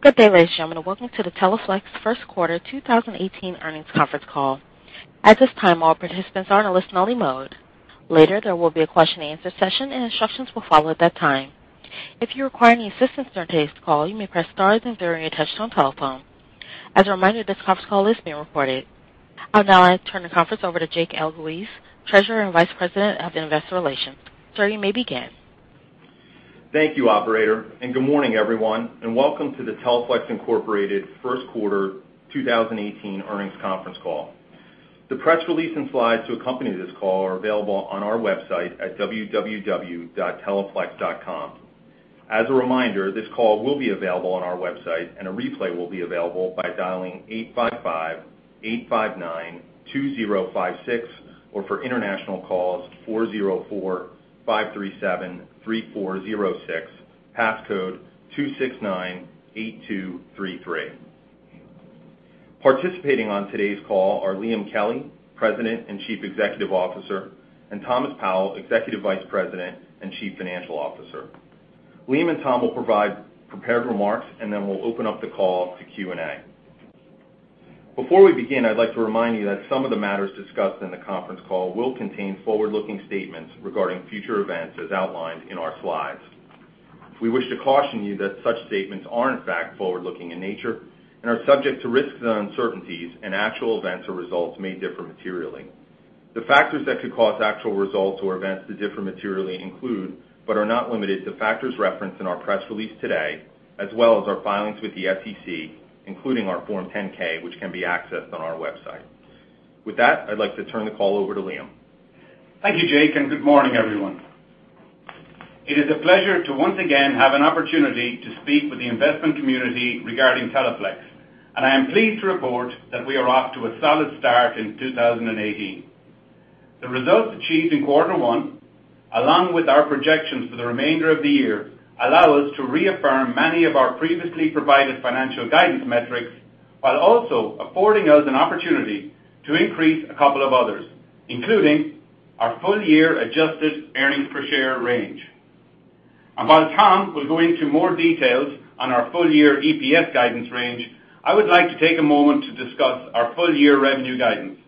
Good day, ladies and gentlemen. Welcome to the Teleflex First Quarter 2018 Earnings Conference Call. At this time, all participants are in a listen-only mode. Later, there will be a question and answer session, and instructions will follow at that time. If you require any assistance during today's call, you may press star then zero on your touch-tone telephone. As a reminder, this conference call is being recorded. I would now like to turn the conference over to Jake Elguicze, Treasurer and Vice President of Investor Relations. Sir, you may begin. Thank you, operator, good morning, everyone, and welcome to the Teleflex Incorporated First Quarter 2018 Earnings Conference Call. The press release and slides to accompany this call are available on our website at www.teleflex.com. As a reminder, this call will be available on our website, a replay will be available by dialing 855-859-2056, or for international calls, 404-537-3406, passcode 2698233. Participating on today's call are Liam Kelly, President and Chief Executive Officer, and Thomas Powell, Executive Vice President and Chief Financial Officer. Liam and Tom will provide prepared remarks, then we'll open up the call to Q&A. Before we begin, I'd like to remind you that some of the matters discussed in the conference call will contain forward-looking statements regarding future events, as outlined in our slides. We wish to caution you that such statements are in fact forward-looking in nature and are subject to risks and uncertainties, actual events or results may differ materially. The factors that could cause actual results or events to differ materially include, but are not limited to, factors referenced in our press release today, as well as our filings with the SEC, including our Form 10-K, which can be accessed on our website. With that, I'd like to turn the call over to Liam. Thank you, Jake, good morning, everyone. It is a pleasure to once again have an opportunity to speak with the investment community regarding Teleflex, I am pleased to report that we are off to a solid start in 2018. The results achieved in quarter one, along with our projections for the remainder of the year, allow us to reaffirm many of our previously provided financial guidance metrics, while also affording us an opportunity to increase a couple of others, including our full year adjusted EPS range. While Tom will go into more details on our full year EPS guidance range, I would like to take a moment to discuss our full year revenue guidance.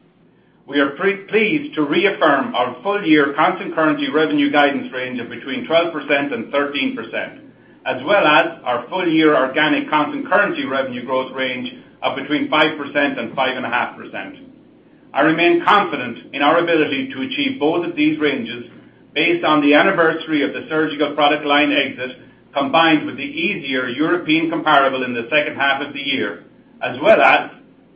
We are pleased to reaffirm our full year constant currency revenue guidance range of between 12% and 13%, as well as our full year organic constant currency revenue growth range of between 5% and 5.5%. I remain confident in our ability to achieve both of these ranges based on the anniversary of the surgical product line exit, combined with the easier European comparable in the second half of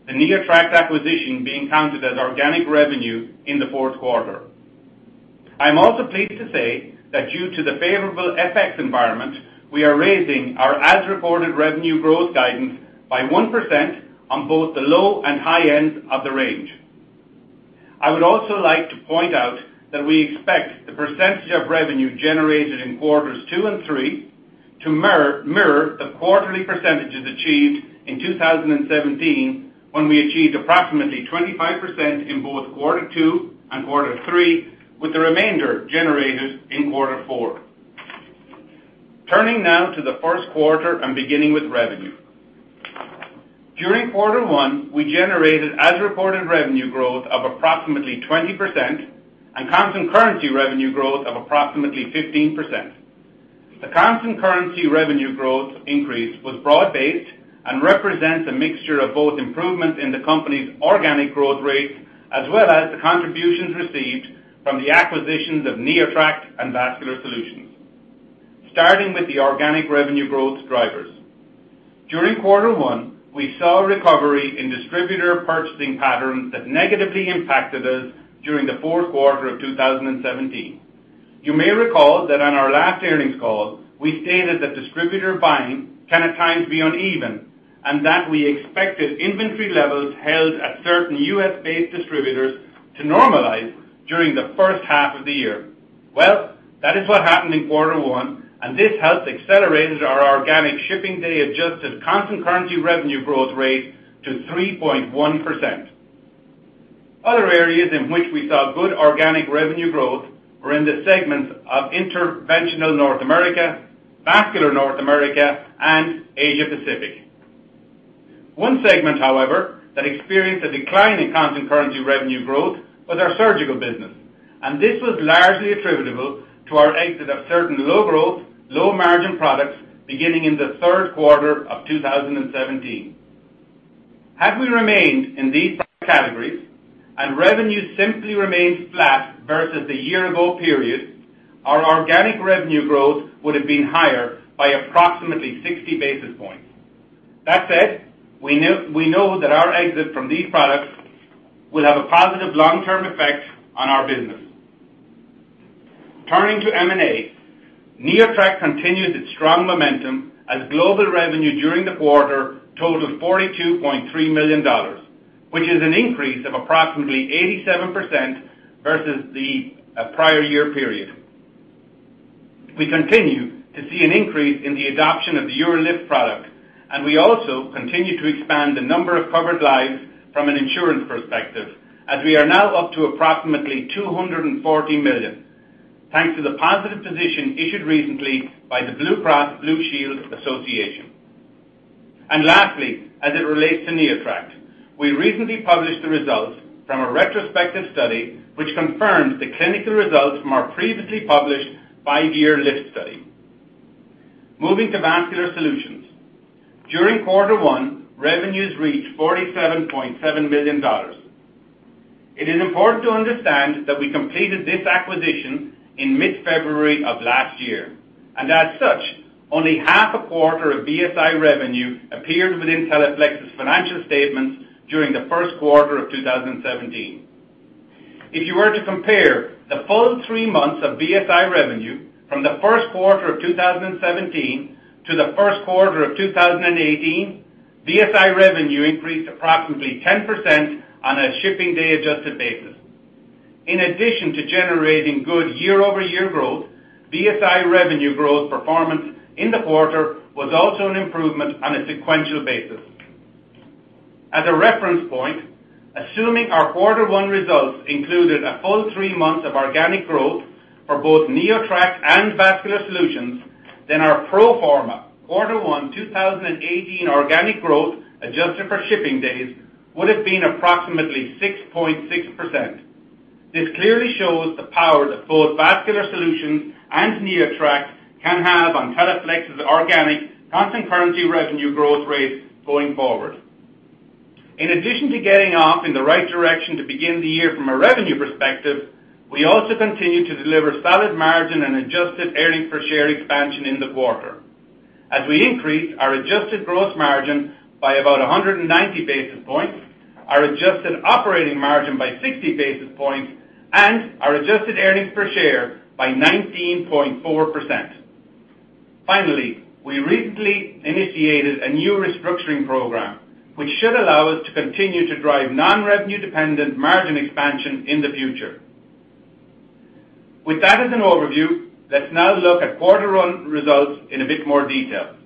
the year, as well as the NeoTract acquisition being counted as organic revenue in the fourth quarter. I'm also pleased to say that due to the favorable FX environment, we are raising our as-reported revenue growth guidance by 1% on both the low and high ends of the range. I would also like to point out that we expect the percentage of revenue generated in quarters two and three to mirror the quarterly percentages achieved in 2017, when we achieved approximately 25% in both quarter two and quarter three, with the remainder generated in quarter four. Turning now to the first quarter and beginning with revenue. During quarter one, we generated as-reported revenue growth of approximately 20% and constant currency revenue growth of approximately 15%. The constant currency revenue growth increase was broad-based and represents a mixture of both improvement in the company's organic growth rate as well as the contributions received from the acquisitions of NeoTract and Vascular Solutions. Starting with the organic revenue growth drivers. During quarter one, we saw a recovery in distributor purchasing patterns that negatively impacted us during the fourth quarter of 2017. You may recall that on our last earnings call, we stated that distributor buying can at times be uneven and that we expected inventory levels held at certain U.S.-based distributors to normalize during the first half of the year. Well, that is what happened in quarter one, and this helped accelerated our organic shipping day adjusted constant currency revenue growth rate to 3.1%. Other areas in which we saw good organic revenue growth were in the segments of Interventional North America, Vascular North America, and Asia Pacific. One segment, however, that experienced a decline in constant currency revenue growth was our surgical business, and this was largely attributable to our exit of certain low-growth, low-margin products beginning in the third quarter of 2017. Had we remained in these categories and revenue simply remained flat versus the year-ago period, our organic revenue growth would've been higher by approximately 60 basis points. That said, we know that our exit from these products will have a positive long-term effect on our business. Turning to M&A, NeoTract continued its strong momentum as global revenue during the quarter totaled $42.3 million, which is an increase of approximately 87% versus the prior year period. We continue to see an increase in the adoption of the UroLift product, and we also continue to expand the number of covered lives from an insurance perspective, as we are now up to approximately $240 million. Thanks to the positive position issued recently by the Blue Cross Blue Shield Association. Lastly, as it relates to NeoTract, we recently published the results from a retrospective study which confirms the clinical results from our previously published five-year L.I.F.T. study. Moving to Vascular Solutions. During quarter one, revenues reached $47.7 million. It is important to understand that we completed this acquisition in mid-February of last year. As such, only half a quarter of VSI revenue appeared within Teleflex's financial statements during the first quarter of 2017. If you were to compare the full three months of VSI revenue from the first quarter of 2017 to the first quarter of 2018, VSI revenue increased approximately 10% on a shipping day-adjusted basis. In addition to generating good year-over-year growth, VSI revenue growth performance in the quarter was also an improvement on a sequential basis. As a reference point, assuming our quarter one results included a full three months of organic growth for both NeoTract and Vascular Solutions, then our pro forma quarter one 2018 organic growth, adjusted for shipping days, would have been approximately 6.6%. This clearly shows the power that both Vascular Solutions and NeoTract can have on Teleflex's organic constant currency revenue growth rate going forward. In addition to getting off in the right direction to begin the year from a revenue perspective, we also continue to deliver solid margin and adjusted earnings per share expansion in the quarter. As we increased our adjusted gross margin by about 190 basis points, our adjusted operating margin by 60 basis points, and our adjusted earnings per share by 19.4%. Finally, we recently initiated a new restructuring program, which should allow us to continue to drive non-revenue dependent margin expansion in the future. With that as an overview, let's now look at quarter one results in a bit more detail.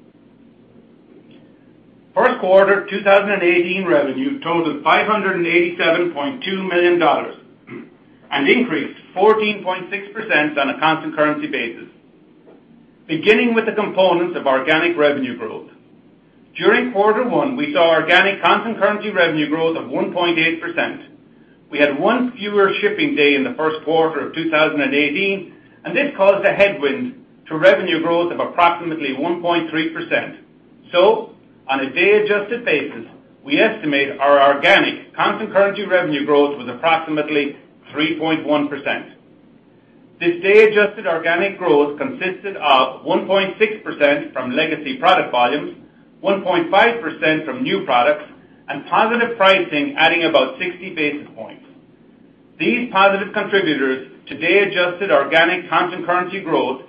First quarter 2018 revenue totaled $587.2 million and increased 14.6% on a constant currency basis. Beginning with the components of organic revenue growth. During quarter one, we saw organic constant currency revenue growth of 1.8%. We had one fewer shipping day in the first quarter of 2018. This caused a headwind to revenue growth of approximately 1.3%. On a day adjusted basis, we estimate our organic constant currency revenue growth was approximately 3.1%. This day adjusted organic growth consisted of 1.6% from legacy product volumes, 1.5% from new products, and positive pricing adding about 60 basis points. These positive contributors to day adjusted organic constant currency growth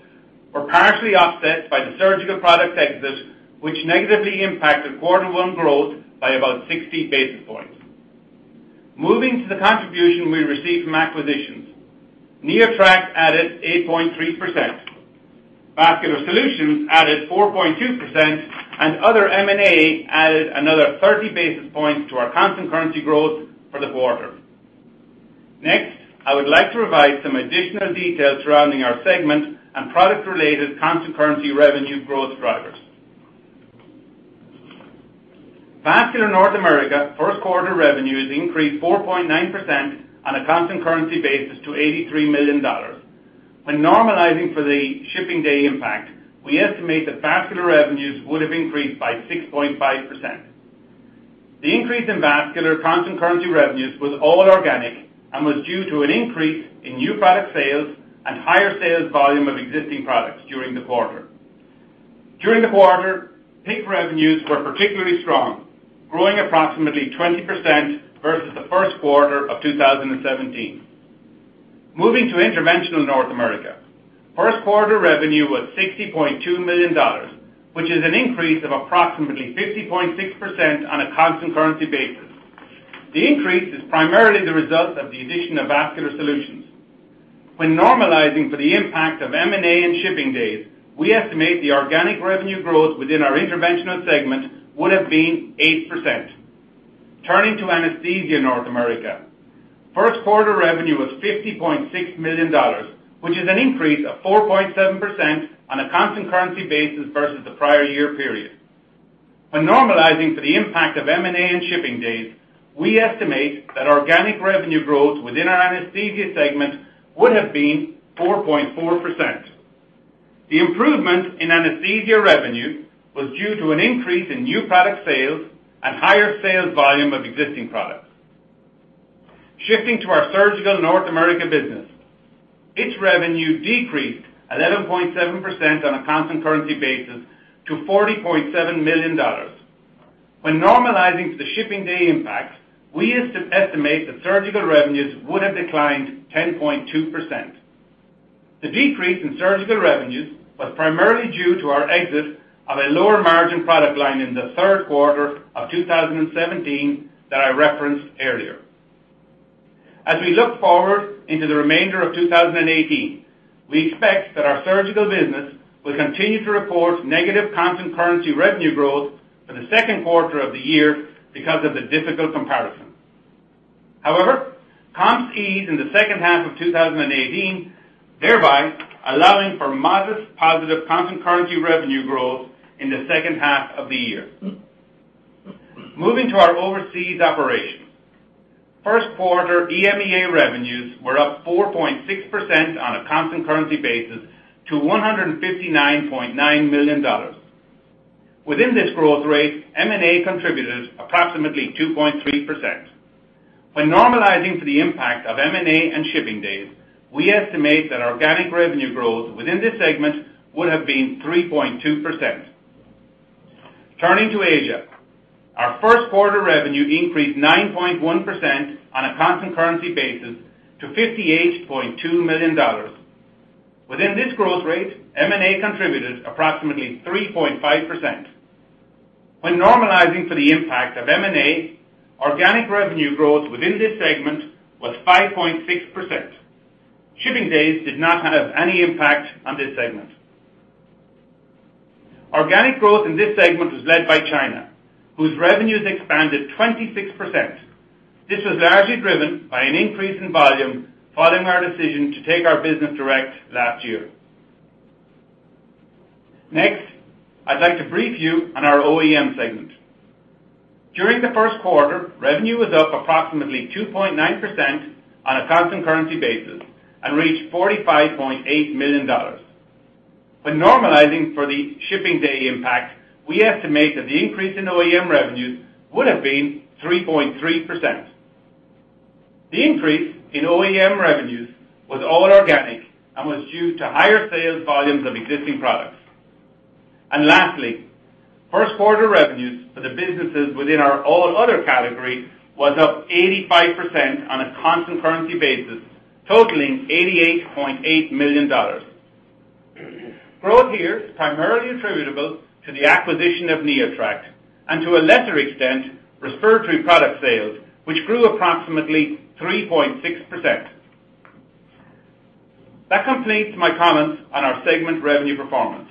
were partially offset by the surgical product exit, which negatively impacted quarter one growth by about 60 basis points. Moving to the contribution we received from acquisitions. NeoTract added 8.3%. Vascular Solutions added 4.2%. Other M&A added another 30 basis points to our constant currency growth for the quarter. Next, I would like to provide some additional details surrounding our segment and product-related constant currency revenue growth drivers. Vascular North America first quarter revenues increased 4.9% on a constant currency basis to $83 million. When normalizing for the shipping day impact, we estimate that Vascular revenues would have increased by 6.5%. The increase in Vascular constant currency revenues was all organic and was due to an increase in new product sales and higher sales volume of existing products during the quarter. During the quarter, PICC revenues were particularly strong, growing approximately 20% versus the first quarter of 2017. Moving to Interventional North America, first quarter revenue was $60.2 million, which is an increase of approximately 50.6% on a constant currency basis. The increase is primarily the result of the addition of Vascular Solutions. When normalizing for the impact of M&A and shipping days, we estimate the organic revenue growth within our Interventional segment would have been 8%. Turning to Anesthesia North America. First quarter revenue was $50.6 million, which is an increase of 4.7% on a constant currency basis versus the prior year period. When normalizing for the impact of M&A and shipping days, we estimate that organic revenue growth within our Anesthesia segment would have been 4.4%. The improvement in Anesthesia revenue was due to an increase in new product sales and higher sales volume of existing products. Shifting to our Surgical North America business. Its revenue decreased 11.7% on a constant currency basis to $40.7 million. When normalizing for the shipping day impact, we estimate that Surgical revenues would have declined 10.2%. The decrease in Surgical revenues was primarily due to our exit of a lower margin product line in the third quarter of 2017 that I referenced earlier. As we look forward into the remainder of 2018, we expect that our Surgical business will continue to report negative constant currency revenue growth for the second quarter of the year because of the difficult comparison. However, comps eased in the second half of 2018, thereby allowing for modest positive constant currency revenue growth in the second half of the year. Moving to our overseas operation. First quarter EMEA revenues were up 4.6% on a constant currency basis to $159.9 million. Within this growth rate, M&A contributed approximately 2.3%. When normalizing for the impact of M&A and shipping days, we estimate that organic revenue growth within this segment would have been 3.2%. Turning to Asia, our first quarter revenue increased 9.1% on a constant currency basis to $58.2 million. Within this growth rate, M&A contributed approximately 3.5%. When normalizing for the impact of M&A, organic revenue growth within this segment was 5.6%. Shipping days did not have any impact on this segment. Organic growth in this segment was led by China, whose revenues expanded 26%. This was largely driven by an increase in volume following our decision to take our business direct last year. Next, I'd like to brief you on our OEM segment. During the first quarter, revenue was up approximately 2.9% on a constant currency basis and reached $45.8 million. When normalizing for the shipping day impact, we estimate that the increase in OEM revenues would have been 3.3%. The increase in OEM revenues was all organic and was due to higher sales volumes of existing products. Lastly, first quarter revenues for the businesses within our all other category was up 85% on a constant currency basis, totaling $88.8 million. Growth here is primarily attributable to the acquisition of NeoTract and, to a lesser extent, respiratory product sales, which grew approximately 3.6%. That completes my comments on our segment revenue performance.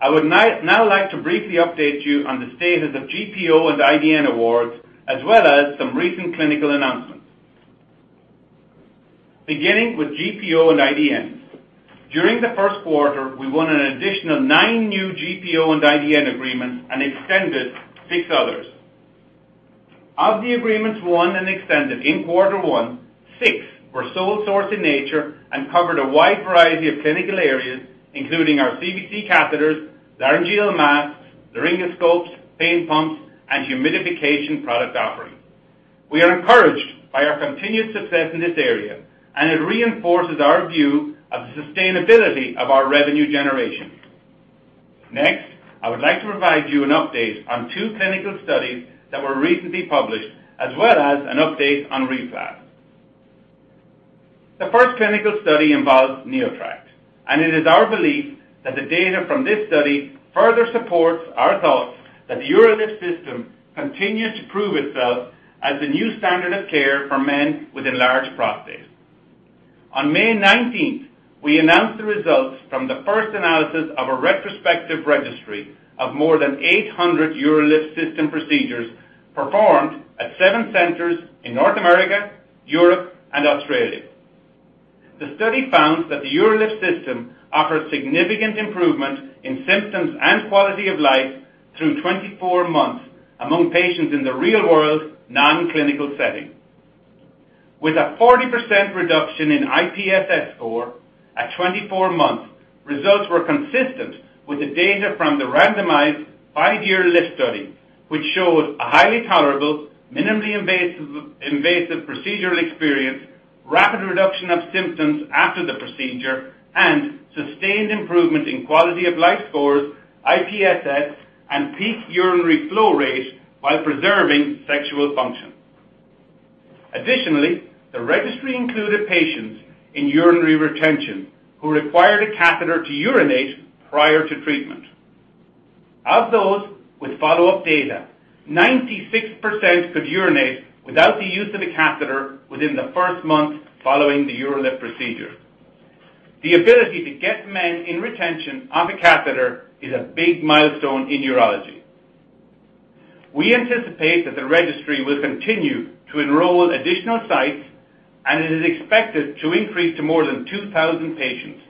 I would now like to briefly update you on the status of GPO and IDN awards, as well as some recent clinical announcements. Beginning with GPO and IDN. During the first quarter, we won an additional nine new GPO and IDN agreements and extended six others. Of the agreements won and extended in quarter one, six were sole source in nature and covered a wide variety of clinical areas, including our CVC catheters, laryngeal masks, laryngoscopes, pain pumps, and humidification product offerings. We are encouraged by our continued success in this area. It reinforces our view of the sustainability of our revenue generation. Next, I would like to provide you an update on two clinical studies that were recently published as well as an update on RePlas. The first clinical study involves NeoTract, and it is our belief that the data from this study further supports our thoughts that the UroLift System continues to prove itself as the new standard of care for men with enlarged prostates. On May 19th, we announced the results from the first analysis of a retrospective registry of more than 800 UroLift System procedures performed at seven centers in North America, Europe, and Australia. The study found that the UroLift System offers significant improvement in symptoms and quality of life through 24 months among patients in the real world, non-clinical setting. With a 40% reduction in IPSS score at 24 months, results were consistent with the data from the randomized five-year L.I.F.T. study, which showed a highly tolerable, minimally invasive procedural experience, rapid reduction of symptoms after the procedure, and sustained improvement in quality of life scores, IPSS, and peak urinary flow rate while preserving sexual function. Additionally, the registry included patients in urinary retention who required a catheter to urinate prior to treatment. Of those with follow-up data, 96% could urinate without the use of a catheter within the first month following the UroLift procedure. The ability to get men in retention off a catheter is a big milestone in urology. We anticipate that the registry will continue to enroll additional sites. It is expected to increase to more than 2,000 patients.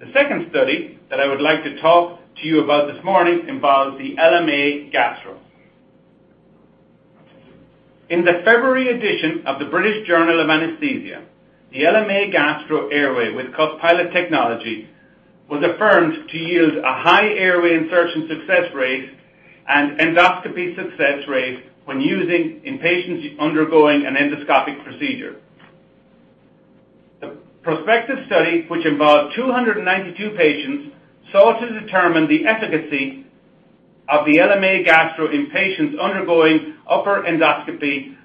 The second study that I would like to talk to you about this morning involves the LMA Gastro. In the February edition of the British Journal of Anaesthesia, the LMA Gastro Airway with Cuff Pilot technology was affirmed to yield a high airway insertion success rate and endoscopy success rate when using in patients undergoing an endoscopic procedure. The prospective study, which involved 292 patients, sought to determine the efficacy of the LMA Gastro in patients undergoing upper endoscopy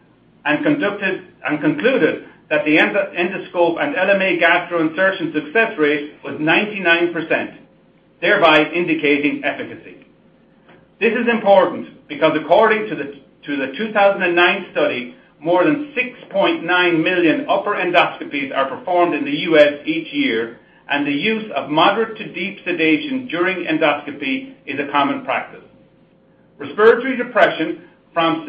and concluded that the endoscope and LMA Gastro insertion success rate was 99%, thereby indicating efficacy. This is important because according to the 2009 study, more than 6.9 million upper endoscopies are performed in the U.S. each year. The use of moderate to deep sedation during endoscopy is a common practice. Respiratory depression from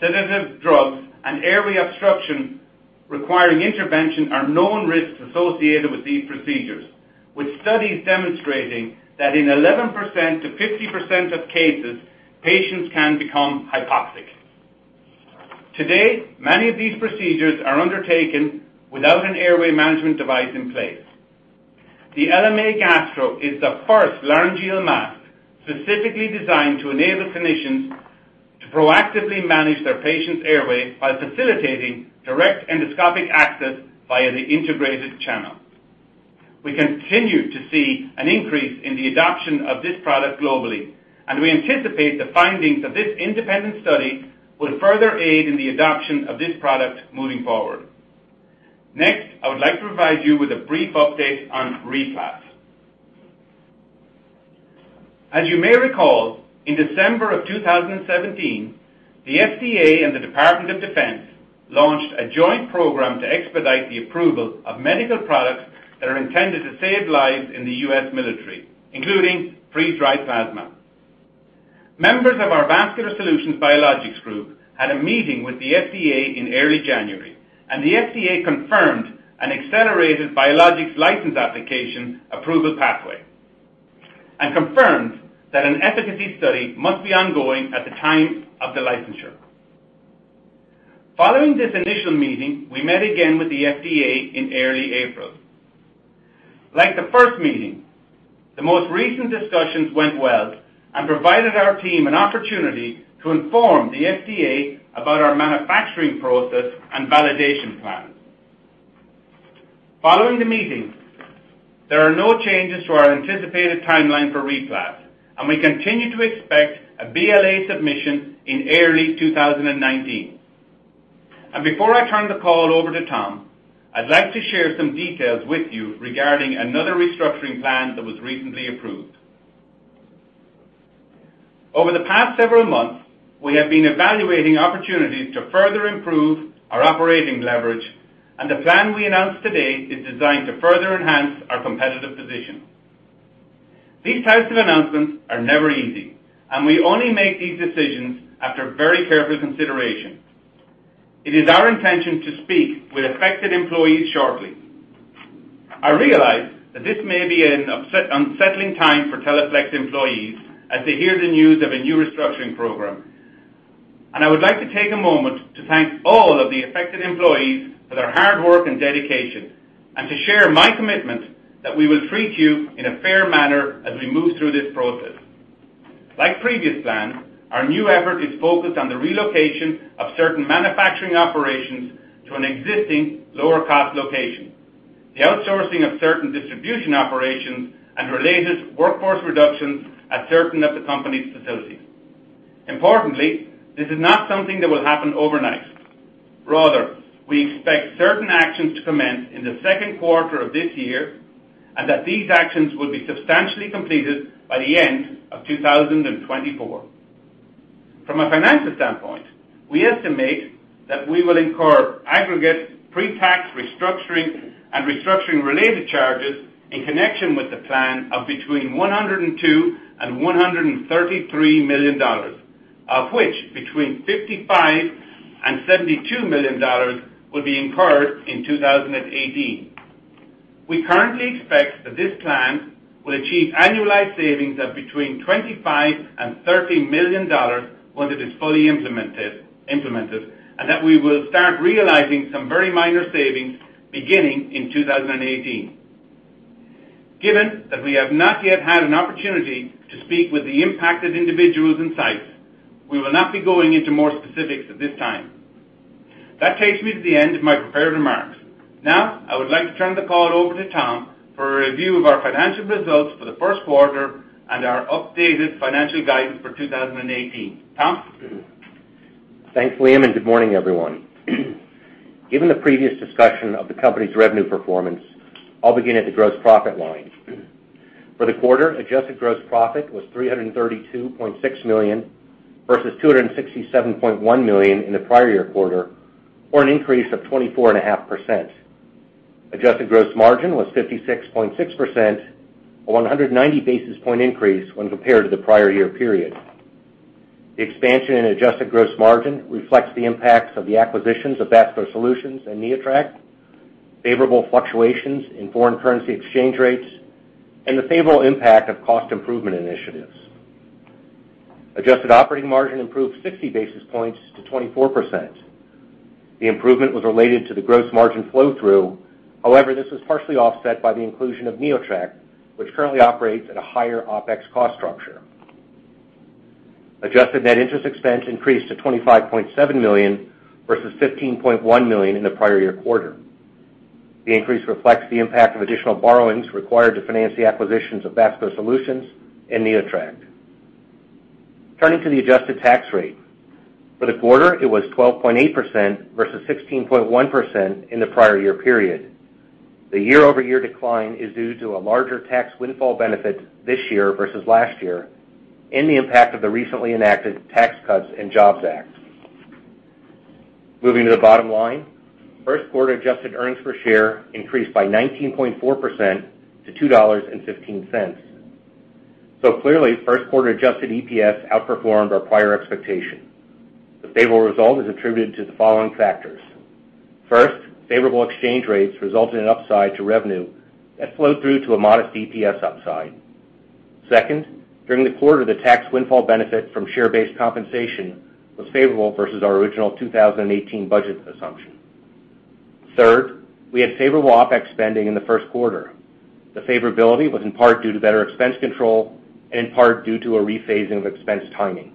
sedative drugs and airway obstruction requiring intervention are known risks associated with these procedures, with studies demonstrating that in 11%-50% of cases, patients can become hypoxic. Today, many of these procedures are undertaken without an airway management device in place. The LMA Gastro is the first laryngeal mask specifically designed to enable clinicians to proactively manage their patient's airway by facilitating direct endoscopic access via the integrated channel. We continue to see an increase in the adoption of this product globally. We anticipate the findings of this independent study will further aid in the adoption of this product moving forward. Next, I would like to provide you with a brief update on RePlas. As you may recall, in December of 2017, the FDA and the Department of Defense launched a joint program to expedite the approval of medical products that are intended to save lives in the U.S. military, including freeze-dried plasma. Members of our Vascular Solutions biologics group had a meeting with the FDA in early January, and the FDA confirmed an accelerated Biologics License Application approval pathway and confirmed that an efficacy study must be ongoing at the time of the licensure. Following this initial meeting, we met again with the FDA in early April. Like the first meeting, the most recent discussions went well and provided our team an opportunity to inform the FDA about our manufacturing process and validation plan. Following the meeting, there are no changes to our anticipated timeline for RePlas, and we continue to expect a BLA submission in early 2019. Before I turn the call over to Tom, I'd like to share some details with you regarding another restructuring plan that was recently approved. Over the past several months, we have been evaluating opportunities to further improve our operating leverage, and the plan we announced today is designed to further enhance our competitive position. These types of announcements are never easy, and we only make these decisions after very careful consideration. It is our intention to speak with affected employees shortly. I realize that this may be an unsettling time for Teleflex employees as they hear the news of a new restructuring program. I would like to take a moment to thank all of the affected employees for their hard work and dedication and to share my commitment that we will treat you in a fair manner as we move through this process. Like previous plans, our new effort is focused on the relocation of certain manufacturing operations to an existing lower-cost location, the outsourcing of certain distribution operations, and related workforce reductions at certain of the company's facilities. Importantly, this is not something that will happen overnight. Rather, we expect certain actions to commence in the second quarter of this year, and that these actions will be substantially completed by the end of 2024. From a financial standpoint, we estimate that we will incur aggregate pre-tax restructuring and restructuring-related charges in connection with the plan of between $102 million and $133 million, of which between $55 million and $72 million will be incurred in 2018. We currently expect that this plan will achieve annualized savings of between $25 million and $30 million once it is fully implemented, and that we will start realizing some very minor savings beginning in 2018. Given that we have not yet had an opportunity to speak with the impacted individuals and sites, we will not be going into more specifics at this time. That takes me to the end of my prepared remarks. Now, I would like to turn the call over to Tom for a review of our financial results for the first quarter and our updated financial guidance for 2018. Tom? Thanks, Liam. Good morning, everyone. Given the previous discussion of the company's revenue performance, I'll begin at the gross profit line. For the quarter, adjusted gross profit was $332.6 million, versus $267.1 million in the prior year quarter, or an increase of 24.5%. Adjusted gross margin was 56.6%, a 190-basis point increase when compared to the prior year period. The expansion in adjusted gross margin reflects the impacts of the acquisitions of Vascular Solutions and NeoTract, favorable fluctuations in foreign currency exchange rates, and the favorable impact of cost improvement initiatives. Adjusted operating margin improved 60 basis points to 24%. The improvement was related to the gross margin flow-through. However, this was partially offset by the inclusion of NeoTract, which currently operates at a higher OpEx cost structure. Adjusted net interest expense increased to $25.7 million, versus $15.1 million in the prior year quarter. The increase reflects the impact of additional borrowings required to finance the acquisitions of Vascular Solutions and NeoTract. Turning to the adjusted tax rate. For the quarter, it was 12.8% versus 16.1% in the prior year period. The year-over-year decline is due to a larger tax windfall benefit this year versus last year and the impact of the recently enacted Tax Cuts and Jobs Act. Moving to the bottom line, first quarter adjusted earnings per share increased by 19.4% to $2.15. Clearly, first quarter adjusted EPS outperformed our prior expectation. The favorable result is attributed to the following factors. First, favorable exchange rates resulted in upside to revenue that flowed through to a modest EPS upside. Second, during the quarter, the tax windfall benefit from share-based compensation was favorable versus our original 2018 budget assumption. Third, we had favorable OpEx spending in the first quarter. The favorability was in part due to better expense control and in part due to a rephasing of expense timing.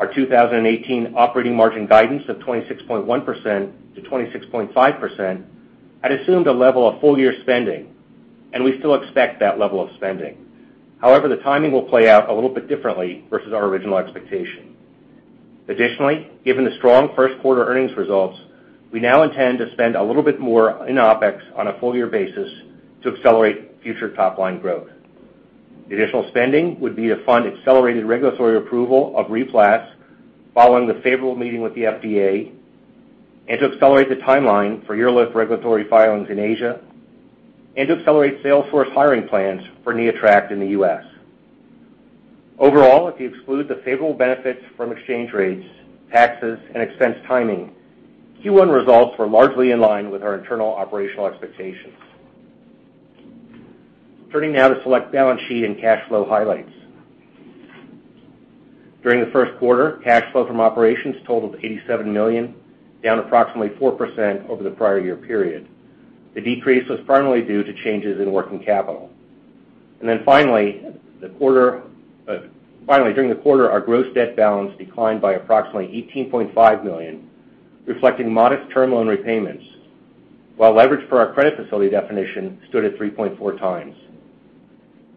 Our 2018 operating margin guidance of 26.1%-26.5% had assumed a level of full-year spending, and we still expect that level of spending. However, the timing will play out a little bit differently versus our original expectation. Additionally, given the strong first-quarter earnings results, we now intend to spend a little bit more in OpEx on a full-year basis to accelerate future top-line growth. The additional spending would be to fund accelerated regulatory approval of RePlas following the favorable meeting with the FDA, to accelerate the timeline for UroLift regulatory filings in Asia, and to accelerate sales force hiring plans for NeoTract in the U.S. If you exclude the favorable benefits from exchange rates, taxes, and expense timing, Q1 results were largely in line with our internal operational expectations. Turning now to select balance sheet and cash flow highlights. During the first quarter, cash flow from operations totaled $87 million, down approximately 4% over the prior year period. The decrease was primarily due to changes in working capital. Finally, during the quarter, our gross debt balance declined by approximately $18.5 million, reflecting modest term loan repayments, while leverage for our credit facility definition stood at 3.4 times.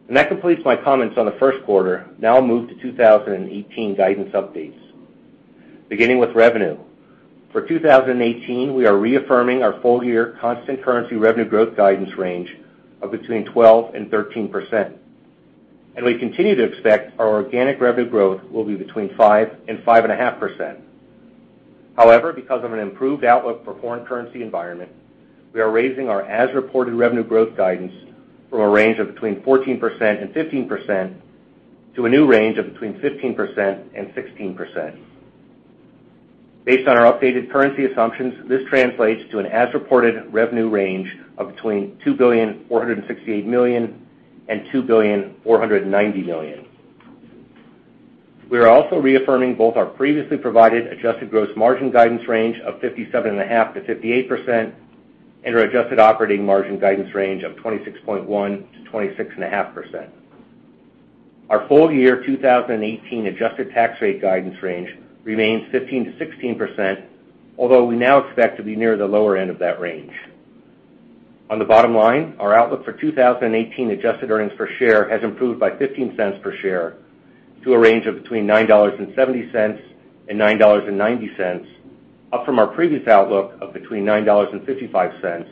That completes my comments on the first quarter. I'll move to 2018 guidance updates. Beginning with revenue. For 2018, we are reaffirming our full-year constant currency revenue growth guidance range of between 12% and 13%. We continue to expect our organic revenue growth will be between 5% and 5.5%. However, because of an improved outlook for foreign currency environment, we are raising our as-reported revenue growth guidance from a range of between 14% and 15% to a new range of between 15% and 16%. Based on our updated currency assumptions, this translates to an as-reported revenue range of between $2.468 billion and $2.490 billion. We are also reaffirming both our previously provided adjusted gross margin guidance range of 57.5%-58% and our adjusted operating margin guidance range of 26.1%-26.5%. Our full-year 2018 adjusted tax rate guidance range remains 15%-16%, although we now expect to be near the lower end of that range. On the bottom line, our outlook for 2018 adjusted earnings per share has improved by $0.15 per share to a range of between $9.70 and $9.90, up from our previous outlook of between $9.55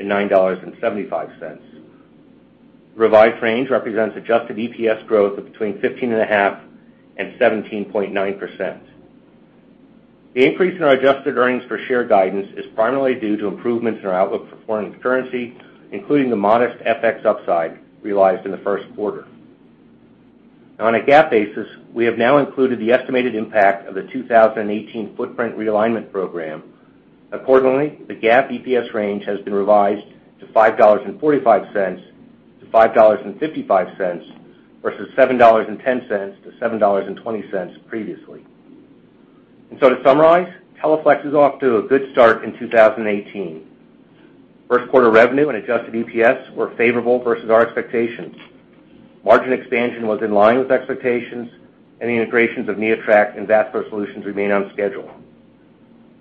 and $9.75. The revised range represents adjusted EPS growth of between 15.5% and 17.9%. The increase in our adjusted earnings per share guidance is primarily due to improvements in our outlook for foreign currency, including the modest FX upside realized in the first quarter. On a GAAP basis, we have now included the estimated impact of the 2018 footprint realignment program. Accordingly, the GAAP EPS range has been revised to $5.45-$5.55 versus $7.10-$7.20 previously. To summarize, Teleflex is off to a good start in 2018. First quarter revenue and adjusted EPS were favorable versus our expectations. Margin expansion was in line with expectations, and the integrations of NeoTract and Vascular Solutions remain on schedule.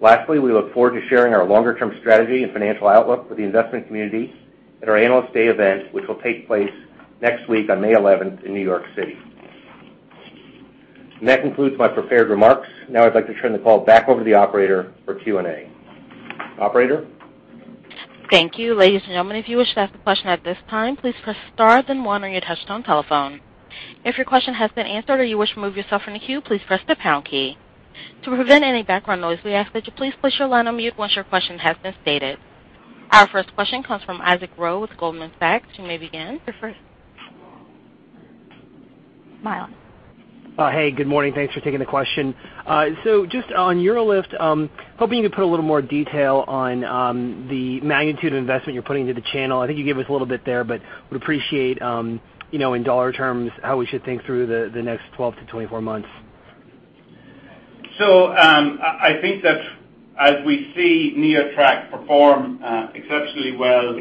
Lastly, we look forward to sharing our longer-term strategy and financial outlook with the investment community at our Analyst Day event, which will take place next week on May 11th in New York City. That concludes my prepared remarks. Now I'd like to turn the call back over to the operator for Q&A. Operator? Thank you. Ladies and gentlemen, if you wish to ask a question at this time, please press star then one on your touch-tone telephone. If your question has been answered or you wish to remove yourself from the queue, please press the pound key. To prevent any background noise, we ask that you please place your line on mute once your question has been stated. Our first question comes from Isaac Ro with Goldman Sachs. You may begin. You're first. Mic on. Hey, good morning. Thanks for taking the question. Just on UroLift, hoping you can put a little more detail on the magnitude of investment you're putting into the channel. I think you gave us a little bit there, but would appreciate, in dollar terms, how we should think through the next 12-24 months. I think that as we see NeoTract perform exceptionally well,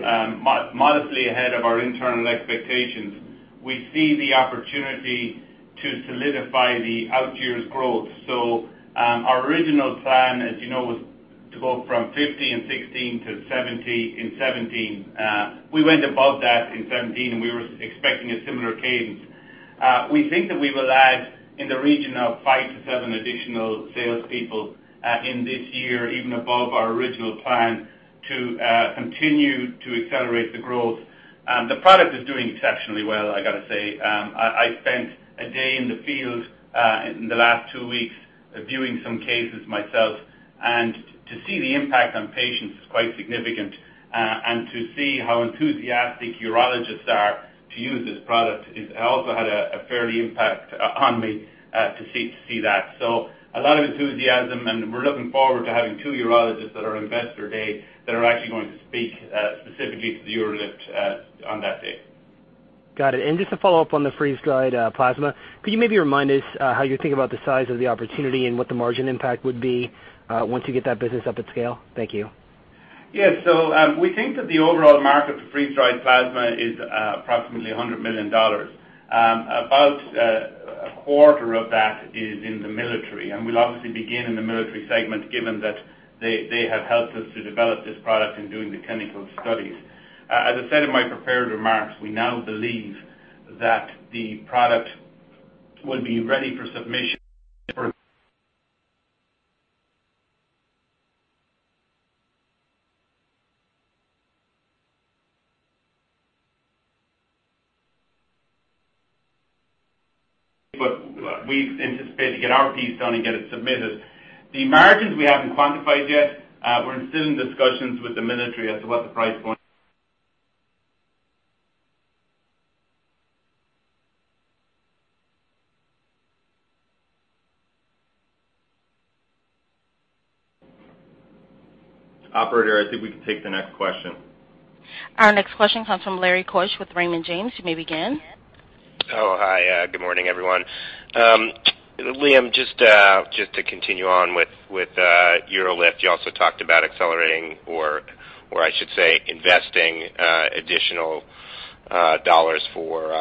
modestly ahead of our internal expectations, we see the opportunity to solidify the out year's growth. Our original plan, as you know, was to go from 15 in 2016 to 17 in 2017. We went above that in 2017, and we were expecting a similar cadence. We think that we will add in the region of five to seven additional salespeople in this year, even above our original plan. To continue to accelerate the growth. The product is doing exceptionally well, I got to say. I spent a day in the field in the last two weeks viewing some cases myself. To see the impact on patients is quite significant. To see how enthusiastic urologists are to use this product, I also had a fair impact on me to see that. A lot of enthusiasm, and we're looking forward to having two urologists that are on Investor Day that are actually going to speak specifically to the UroLift on that day. Got it. Just to follow up on the freeze-dried plasma, could you maybe remind us how you think about the size of the opportunity and what the margin impact would be once you get that business up at scale? Thank you. Yes. We think that the overall market for freeze-dried plasma is approximately $100 million. About a quarter of that is in the military, and we'll obviously begin in the military segment, given that they have helped us to develop this product in doing the clinical studies. As I said in my prepared remarks, we now believe that the product will be ready for submission. We anticipate to get our piece done and get it submitted. The margins we haven't quantified yet. We're still in discussions with the military as to what the price point. Operator, I think we can take the next question. Our next question comes from Lawrence Keusch with Raymond James. You may begin. Oh, hi. Good morning, everyone. Liam, just to continue on with UroLift, you also talked about accelerating or I should say, investing additional dollars for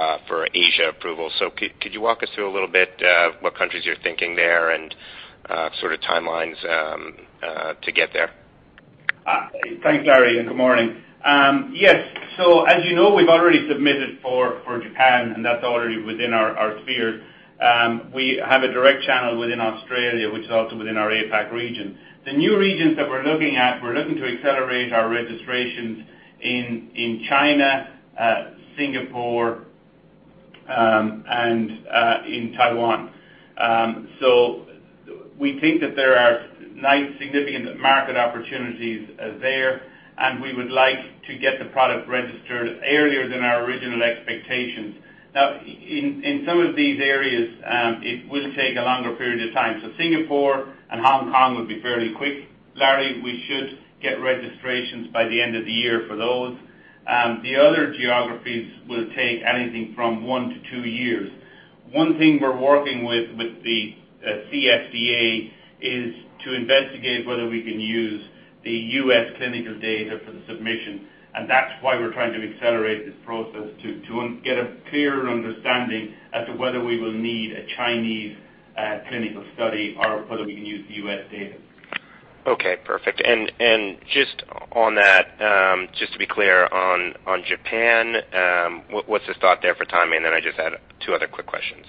Asia approval. Could you walk us through a little bit, what countries you're thinking there and sort of timelines to get there? Thanks, Larry, and good morning. Yes. As you know, we've already submitted for Japan, and that's already within our sphere. We have a direct channel within Australia, which is also within our APAC region. The new regions that we're looking at, we're looking to accelerate our registrations in China, Singapore, and in Taiwan. We think that there are significant market opportunities there, and we would like to get the product registered earlier than our original expectations. Now, in some of these areas, it will take a longer period of time. Singapore and Hong Kong would be fairly quick. Larry, we should get registrations by the end of the year for those. The other geographies will take anything from one to two years. One thing we're working with the CFDA is to investigate whether we can use the U.S. clinical data for the submission, and that's why we're trying to accelerate this process to get a clearer understanding as to whether we will need a Chinese clinical study or whether we can use the U.S. data. Okay, perfect. Just on that, just to be clear on Japan, what's the thought there for timing? Then I just had two other quick questions.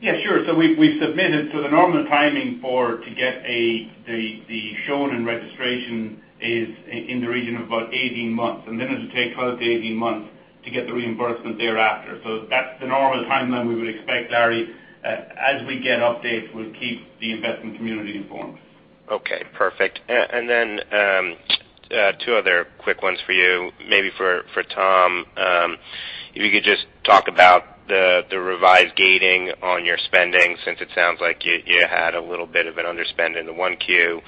Yeah, sure. We've submitted. The normal timing to get the shonin and registration is in the region of about 18 months, and then it'll take close to 18 months to get the reimbursement thereafter. That's the normal timeline we would expect, Larry. As we get updates, we'll keep the investment community informed. Okay, perfect. Two other quick ones for you, maybe for Tom. If you could just talk about the revised gating on your spending, since it sounds like you had a little bit of an underspend in the 1Q.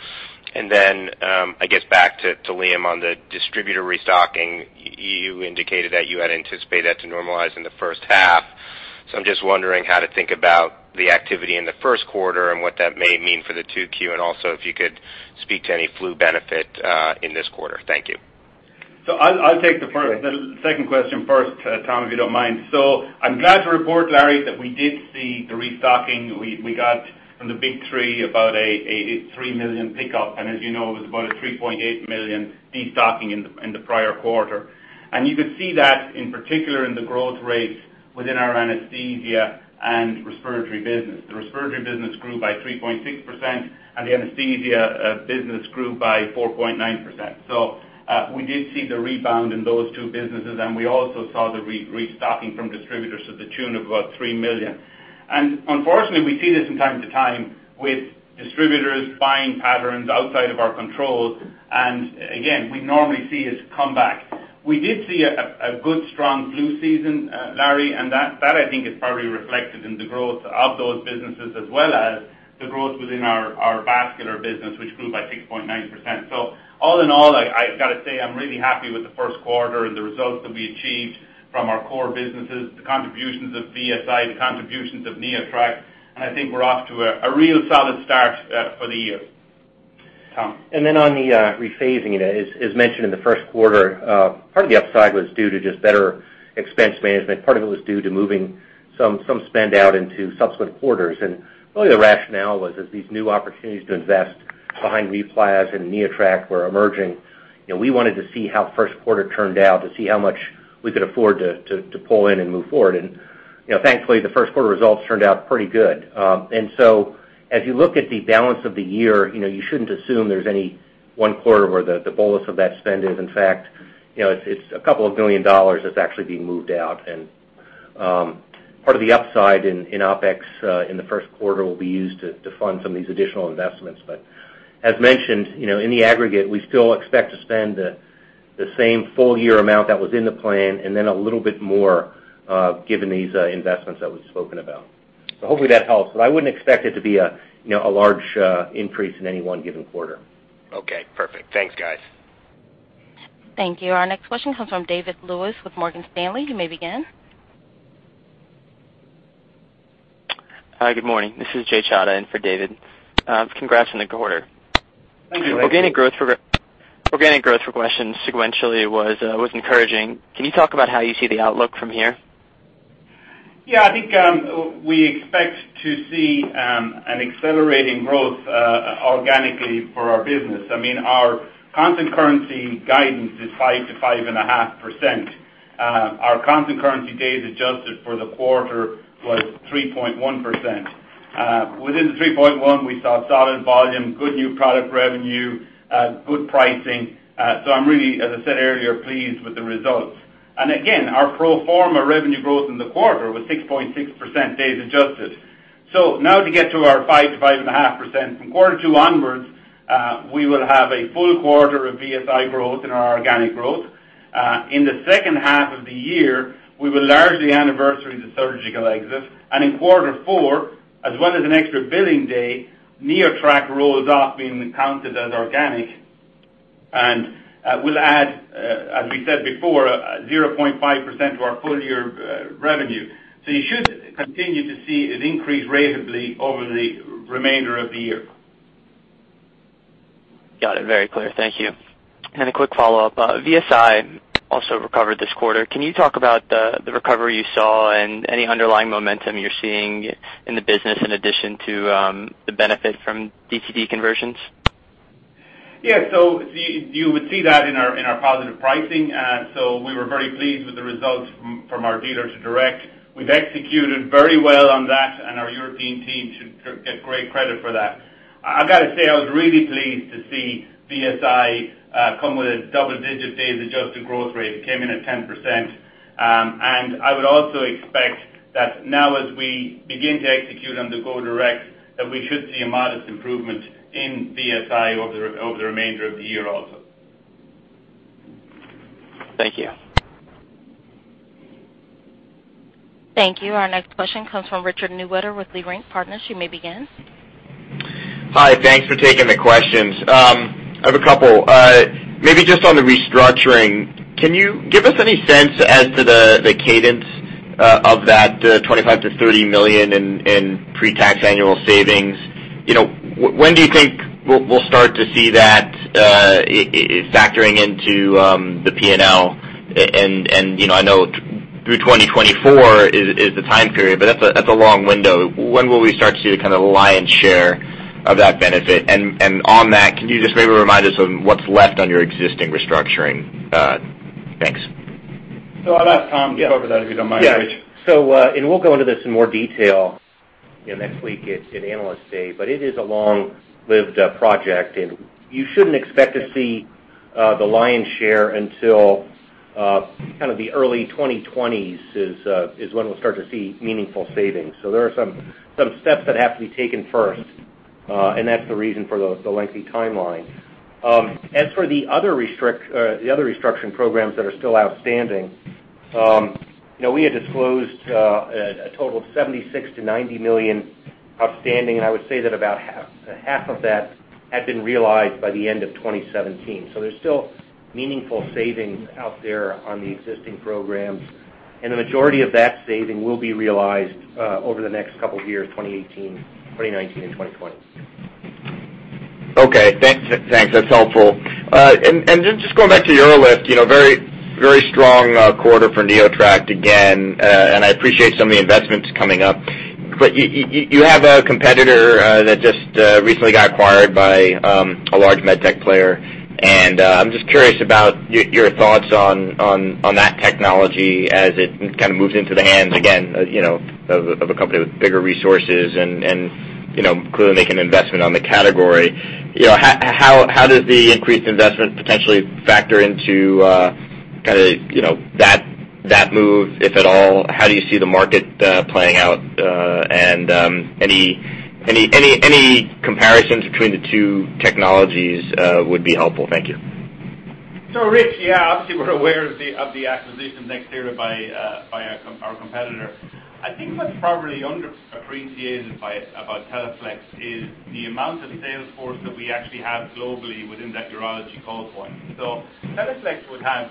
I guess back to Liam on the distributor restocking, you indicated that you had anticipated that to normalize in the first half. I'm just wondering how to think about the activity in the first quarter and what that may mean for the 2Q, and also if you could speak to any flu benefit in this quarter. Thank you. I'll take the second question first, Tom, if you don't mind. I'm glad to report, Larry, that we did see the restocking. We got from the big three about a $3 million pickup, and as you know, it was about a $3.8 million destocking in the prior quarter. You could see that in particular in the growth rates within our anesthesia and respiratory business. The respiratory business grew by 3.6%, and the anesthesia business grew by 4.9%. We did see the rebound in those two businesses, and we also saw the restocking from distributors to the tune of about $3 million. Unfortunately, we see this from time to time with distributors buying patterns outside of our control, and again, we normally see it come back. We did see a good strong flu season, Larry, and that I think is probably reflected in the growth of those businesses as well as the growth within our vascular business, which grew by 6.9%. All in all, I got to say, I'm really happy with the first quarter and the results that we achieved from our core businesses, the contributions of VSI, the contributions of NeoTract, and I think we're off to a real solid start for the year. Tom? On the rephasing, as mentioned in the first quarter, part of the upside was due to just better expense management. Part of it was due to moving some spend out into subsequent quarters. Really the rationale was as these new opportunities to invest behind RePlas and NeoTract were emerging, we wanted to see how first quarter turned out to see how much we could afford to pull in and move forward. Thankfully, the first quarter results turned out pretty good. As you look at the balance of the year, you shouldn't assume there's any one quarter where the bolus of that spend is. In fact, it's a couple of million dollars that's actually being moved out, and part of the upside in OpEx in the first quarter will be used to fund some of these additional investments. As mentioned, in the aggregate, we still expect to spend the same full-year amount that was in the plan, a little bit more given these investments that we've spoken about. Hopefully that helps, I wouldn't expect it to be a large increase in any one given quarter. Okay, perfect. Thanks, guys. Thank you. Our next question comes from David Lewis with Morgan Stanley. You may begin. Hi. Good morning. This is Jayson Bedford in for David. Congrats on the quarter. Thank you. Organic growth for questions sequentially was encouraging. Can you talk about how you see the outlook from here? Yeah, I think we expect to see an accelerating growth organically for our business. Our constant currency guidance is 5%-5.5%. Our constant currency days adjusted for the quarter was 3.1%. Within the 3.1%, we saw solid volume, good new product revenue, good pricing. I'm really, as I said earlier, pleased with the results. Again, our pro forma revenue growth in the quarter was 6.6% days adjusted. Now to get to our 5%-5.5%, from quarter two onwards, we will have a full quarter of VSI growth in our organic growth. In the second half of the year, we will largely anniversary the surgical exits, and in quarter four, as well as an extra billing day, NeoTract rolls off being counted as organic and will add, as we said before, 0.5% to our full-year revenue. You should continue to see it increase ratably over the remainder of the year. Got it. Very clear. Thank you. A quick follow-up. VSI also recovered this quarter. Can you talk about the recovery you saw and any underlying momentum you're seeing in the business in addition to the benefit from DTC conversions? Yeah. You would see that in our positive pricing. We were very pleased with the results from our dealer to direct. We've executed very well on that, and our European team should get great credit for that. I've got to say, I was really pleased to see VSI come with a double-digit rate of adjusted growth rate. It came in at 10%. I would also expect that now as we begin to execute on the go direct, that we should see a modest improvement in VSI over the remainder of the year also. Thank you. Thank you. Our next question comes from Richard Newitter with Leerink Partners. You may begin. Hi. Thanks for taking the questions. I have a couple. Maybe just on the restructuring, can you give us any sense as to the cadence of that $25 million-$30 million in pre-tax annual savings? When do you think we'll start to see that factoring into the P&L? I know through 2024 is the time period, but that's a long window. When will we start to see the lion's share of that benefit? On that, can you just maybe remind us of what's left on your existing restructuring? Thanks. I'll ask Tom to cover that if you don't mind, Rich. Yeah. We'll go into this in more detail next week at Analyst Day. It is a long-lived project, and you shouldn't expect to see the lion's share until kind of the early 2020s is when we'll start to see meaningful savings. There are some steps that have to be taken first, and that's the reason for the lengthy timeline. As for the other restructuring programs that are still outstanding, we had disclosed a total of $76 million-$90 million outstanding, and I would say that about half of that had been realized by the end of 2017. There's still meaningful savings out there on the existing programs, and the majority of that saving will be realized over the next couple of years, 2018, 2019, and 2020. Okay. Thanks. That's helpful. Just going back to UroLift, very strong quarter for NeoTract again. I appreciate some of the investments coming up, but you have a competitor that just recently got acquired by a large med tech player, and I'm just curious about your thoughts on that technology as it kind of moves into the hands, again, of a company with bigger resources and clearly making an investment on the category. How does the increased investment potentially factor into that move, if at all? How do you see the market playing out? Any comparisons between the two technologies would be helpful. Thank you. Rich, yeah, obviously we're aware of the acquisition NxThera by our competitor. I think what's probably underappreciated about Teleflex is the amount of sales force that we actually have globally within that urology call point. Teleflex would have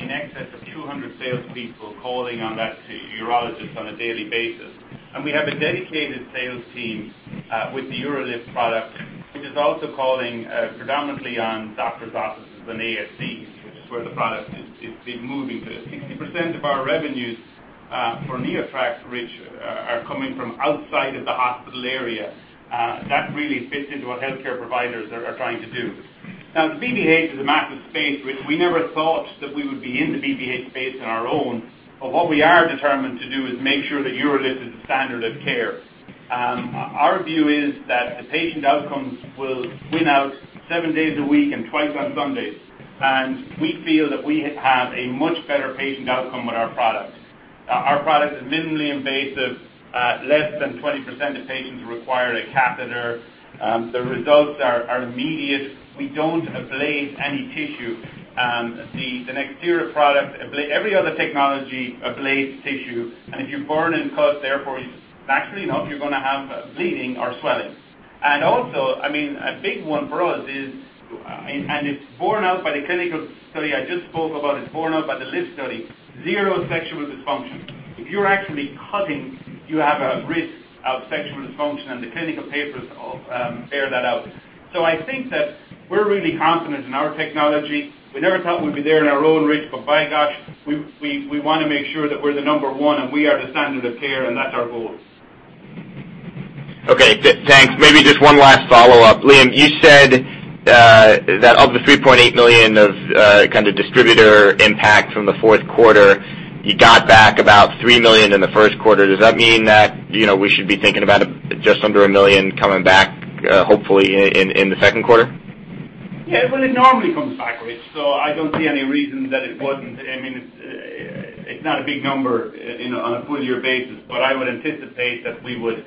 in excess of 200 salespeople calling on that urologist on a daily basis. We have a dedicated sales team with the UroLift product, which is also calling predominantly on doctor's offices and ASCs, which is where the product is moving to. 60% of our revenues for NeoTract, Rich, are coming from outside of the hospital area. That really fits into what healthcare providers are trying to do. The BPH is a massive space, Rich. We never thought that we would be in the BPH space on our own, but what we are determined to do is make sure that UroLift is the standard of care. Our view is that the patient outcomes will win out seven days a week and twice on Sundays. We feel that we have a much better patient outcome with our products. Our product is minimally invasive. Less than 20% of patients require a catheter. The results are immediate. We don't ablate any tissue. The next tier of product, every other technology ablates tissue, and if you burn and cut, therefore, naturally enough, you're going to have bleeding or swelling. Also, a big one for us is, and it's borne out by the clinical study I just spoke about, it's borne out by the L.I.F.T. study, zero sexual dysfunction. If you're actually cutting, you have a risk of sexual dysfunction, and the clinical papers bear that out. I think that we're really confident in our technology. We never thought we'd be there in our own rig, but by gosh, we want to make sure that we're the number one, and we are the standard of care, and that's our goal. Okay, thanks. Maybe just one last follow-up. Liam, you said that of the $3.8 million of distributor impact from the fourth quarter, you got back about $3 million in the first quarter. Does that mean that we should be thinking about just under $1 million coming back, hopefully, in the second quarter? Yeah. Well, it normally comes backwards, so I don't see any reason that it wouldn't. It's not a big number on a full-year basis, but I would anticipate that we would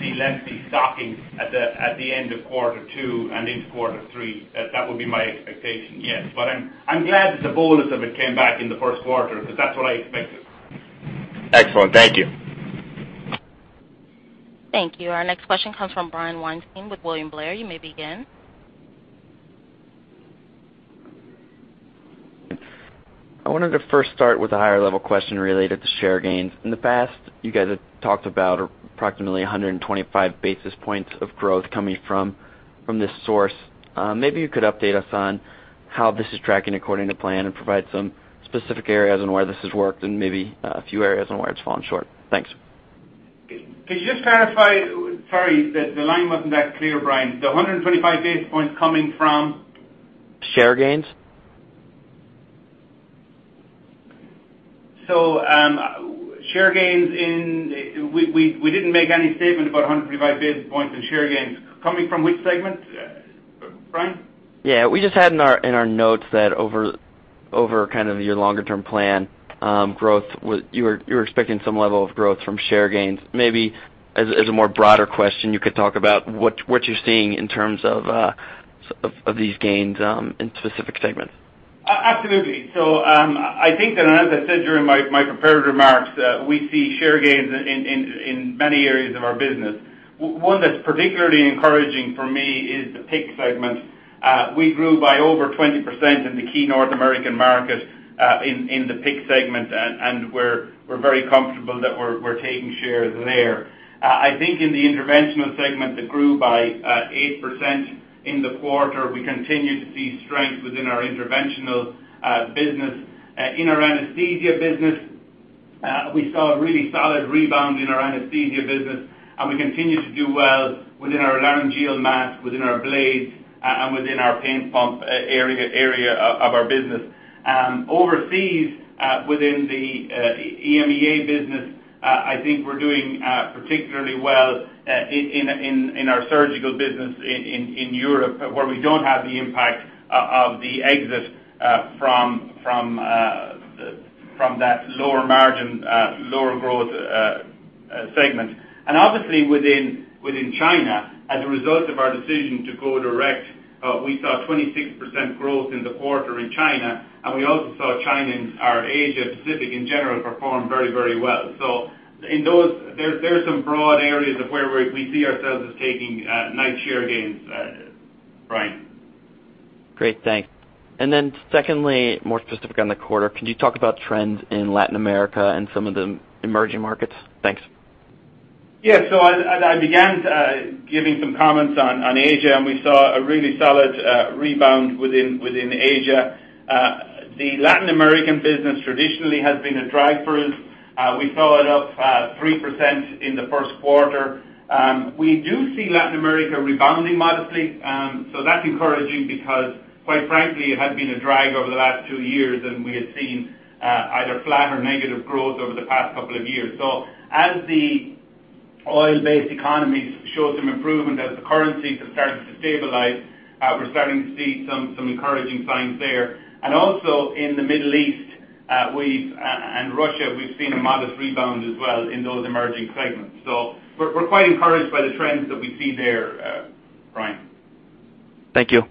see lengthy stocking at the end of quarter two and into quarter three. That would be my expectation, yes. I'm glad that the boldness of it came back in the first quarter, because that's what I expected. Excellent. Thank you. Thank you. Our next question comes from Brian Weinstein with William Blair. You may begin. I wanted to first start with a higher-level question related to share gains. In the past, you guys have talked about approximately 125 basis points of growth coming from this source. Maybe you could update us on how this is tracking according to plan and provide some specific areas on where this has worked and maybe a few areas on where it's fallen short. Thanks. Can you just clarify? Sorry, the line wasn't that clear, Brian. The 125 basis points coming from? Share gains. Share gains, we didn't make any statement about 125 basis points in share gains. Coming from which segment, Brian? Yeah. We just had in our notes that over your longer-term plan, you're expecting some level of growth from share gains. Maybe as a more broader question, you could talk about what you're seeing in terms of these gains in specific segments. Absolutely. I think that, and as I said during my prepared remarks, we see share gains in many areas of our business. One that's particularly encouraging for me is the PICC segment. We grew by over 20% in the key North American market, in the PICC segment, and we're very comfortable that we're taking shares there. I think in the interventional segment that grew by 8% in the quarter, we continue to see strength within our interventional business. In our anesthesia business, we saw a really solid rebound in our anesthesia business, and we continue to do well within our laryngeal mask, within our blades, and within our pain pump area of our business. Overseas, within the EMEA business, I think we're doing particularly well in our surgical business in Europe, where we don't have the impact of the exit from that lower margin, lower growth segment. Obviously within China, as a result of our decision to go direct, we saw 26% growth in the quarter in China, and we also saw China and our Asia Pacific in general perform very well. There's some broad areas of where we see ourselves as taking nice share gains, Brian. Great, thanks. Then secondly, more specific on the quarter, could you talk about trends in Latin America and some of the emerging markets? Thanks. Yeah. I began giving some comments on Asia, and we saw a really solid rebound within Asia. The Latin American business traditionally has been a drag for us. We followed up 3% in the first quarter. We do see Latin America rebounding modestly. That's encouraging because, quite frankly, it had been a drag over the last two years, and we had seen either flat or negative growth over the past couple of years. As the oil-based economies show some improvement, as the currencies have started to stabilize, we're starting to see some encouraging signs there. And also in the Middle East and Russia, we've seen a modest rebound as well in those emerging segments. We're quite encouraged by the trends that we see there, Brian. Thank you.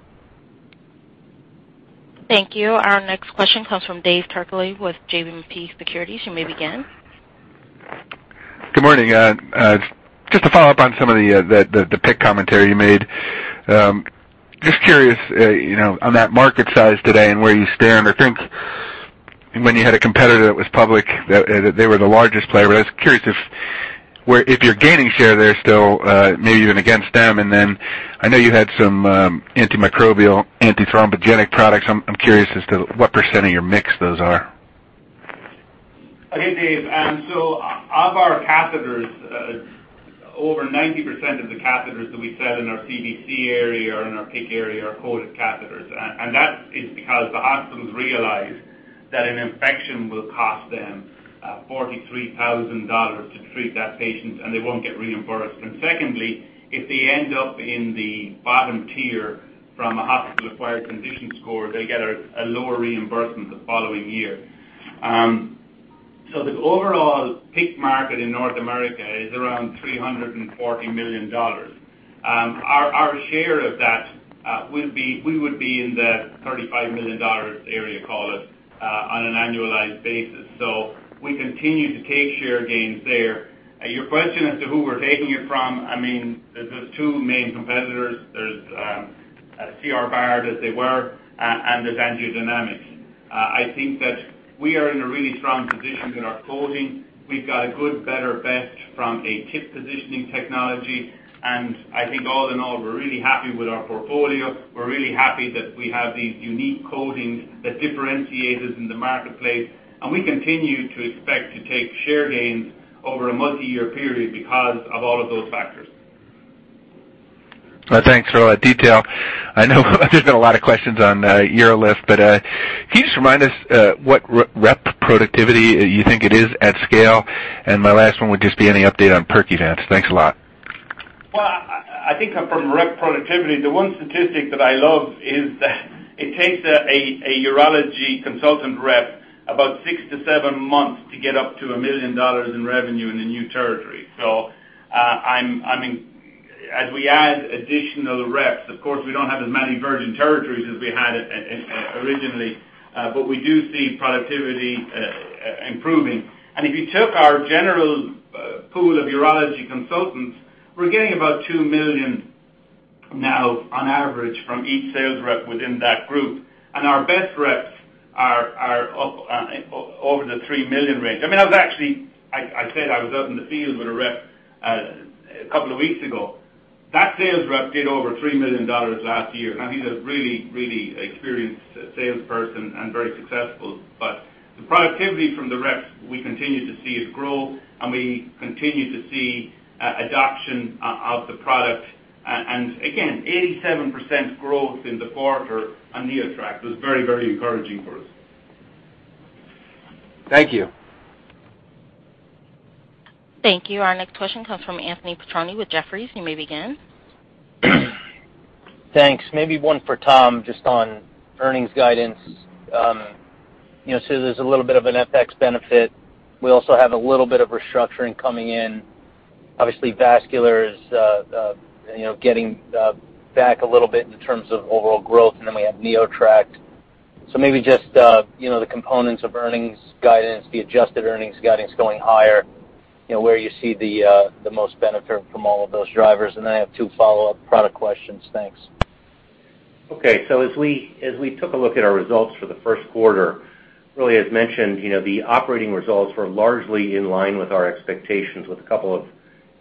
Thank you. Our next question comes from David Turkaly with JMP Securities. You may begin. Good morning. Just to follow up on some of the PICC commentary you made. Just curious, on that market size today and where you stand, I think when you had a competitor that was public, they were the largest player, but I was curious if you're gaining share there still, maybe even against them. I know you had some antimicrobial, antithrombogenic products. I'm curious as to what % of your mix those are. Okay, Dave. Of our catheters, over 90% of the catheters that we sell in our CVC area or in our PICC area are coated catheters. That is because the hospitals realized that an infection will cost them $43,000 to treat that patient, and they won't get reimbursed. Secondly, if they end up in the bottom tier from a hospital-acquired condition score, they get a lower reimbursement the following year. The overall PICC market in North America is around $340 million. Our share of that, we would be in the $35 million area, call it, on an annualized basis. We continue to take share gains there. Your question as to who we're taking it from, there's those two main competitors. There's C.R. Bard, as they were, and there's AngioDynamics. I think that we are in a really strong position with our coating. We've got a good, better, best from a tip positioning technology. I think all in all, we're really happy with our portfolio. We're really happy that we have these unique coatings that differentiate us in the marketplace, and we continue to expect to take share gains over a multi-year period because of all of those factors. Thanks for all that detail. I know there's been a lot of questions on UroLift, can you just remind us what rep productivity you think it is at scale? My last one would just be any update on Percuvance. Thanks a lot. Well, I think from rep productivity, the one statistic that I love is that it takes a urology consultant rep about six to seven months to get up to $1 million in revenue in a new territory. As we add additional reps, of course, we don't have as many virgin territories as we had originally, we do see productivity improving. If you took our general pool of urology consultants, we're getting about $2 million now on average from each sales rep within that group. Our best reps are over the $3 million range. I said I was out in the field with a rep a couple of weeks ago. That sales rep did over $3 million last year, I think a really experienced salesperson and very successful. The productivity from the reps, we continue to see it grow, we continue to see adoption of the product. Again, 87% growth in the quarter on NeoTract was very encouraging for us. Thank you. Thank you. Our next question comes from Anthony Petrone with Jefferies. You may begin. Thanks. Maybe one for Tom, just on earnings guidance. There's a little bit of an FX benefit. We also have a little bit of restructuring coming in. Vascular is getting back a little bit in terms of overall growth, then we have NeoTract. Maybe just the components of earnings guidance, the adjusted earnings guidance going higher, where you see the most benefit from all of those drivers. Then I have two follow-up product questions. Thanks. As we took a look at our results for the first quarter, really as mentioned, the operating results were largely in line with our expectations, with a couple of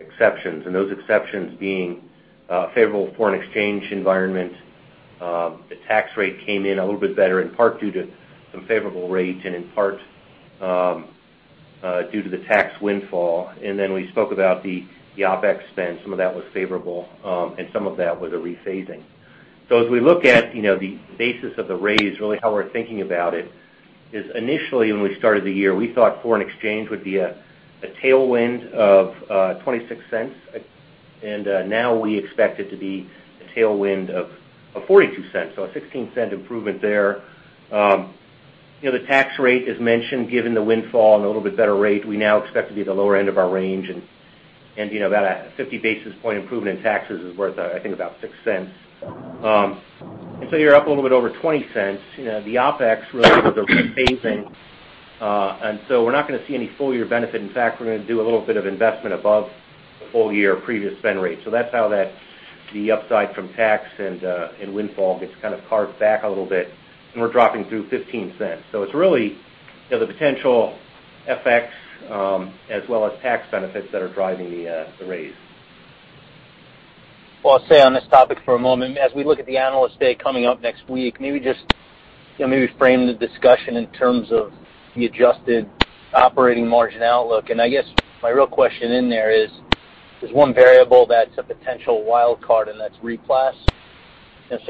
exceptions. Those exceptions being a favorable foreign exchange environment. The tax rate came in a little bit better, in part due to some favorable rates and in part due to the tax windfall. Then we spoke about the OpEx spend. Some of that was favorable, and some of that was a rephasing. As we look at the basis of the raise, really how we're thinking about it is initially when we started the year, we thought foreign exchange would be a tailwind of $0.26, and now we expect it to be a tailwind of $0.42. A $0.16 improvement there. The tax rate, as mentioned, given the windfall and a little bit better rate, we now expect to be at the lower end of our range and about a 50 basis point improvement in taxes is worth, I think, about $0.06. You're up a little bit over $0.20. The OpEx really was a rephasing, we're not going to see any full-year benefit. In fact, we're going to do a little bit of investment above the full-year previous spend rate. That's how the upside from tax and windfall gets kind of carved back a little bit, and we're dropping through $0.15. It's really the potential FX as well as tax benefits that are driving the raise. Well, I'll stay on this topic for a moment. As we look at the Analyst Day coming up next week, maybe frame the discussion in terms of the adjusted operating margin outlook. I guess my real question in there is, there's one variable that's a potential wild card, and that's RePlas.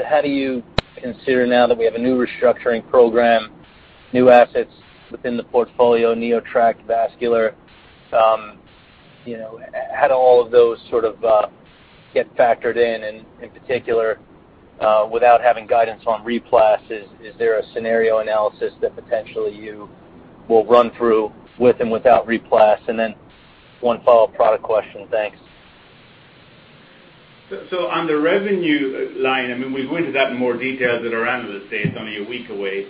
How do you consider now that we have a new restructuring program, new assets within the portfolio, NeoTract, Vascular, how do all of those sort of get factored in? In particular, without having guidance on RePlas, is there a scenario analysis that potentially you will run through with and without RePlas? Then one follow-up product question. Thanks. On the revenue line, we'll go into that in more detail at our Analyst Day. It's only a week away.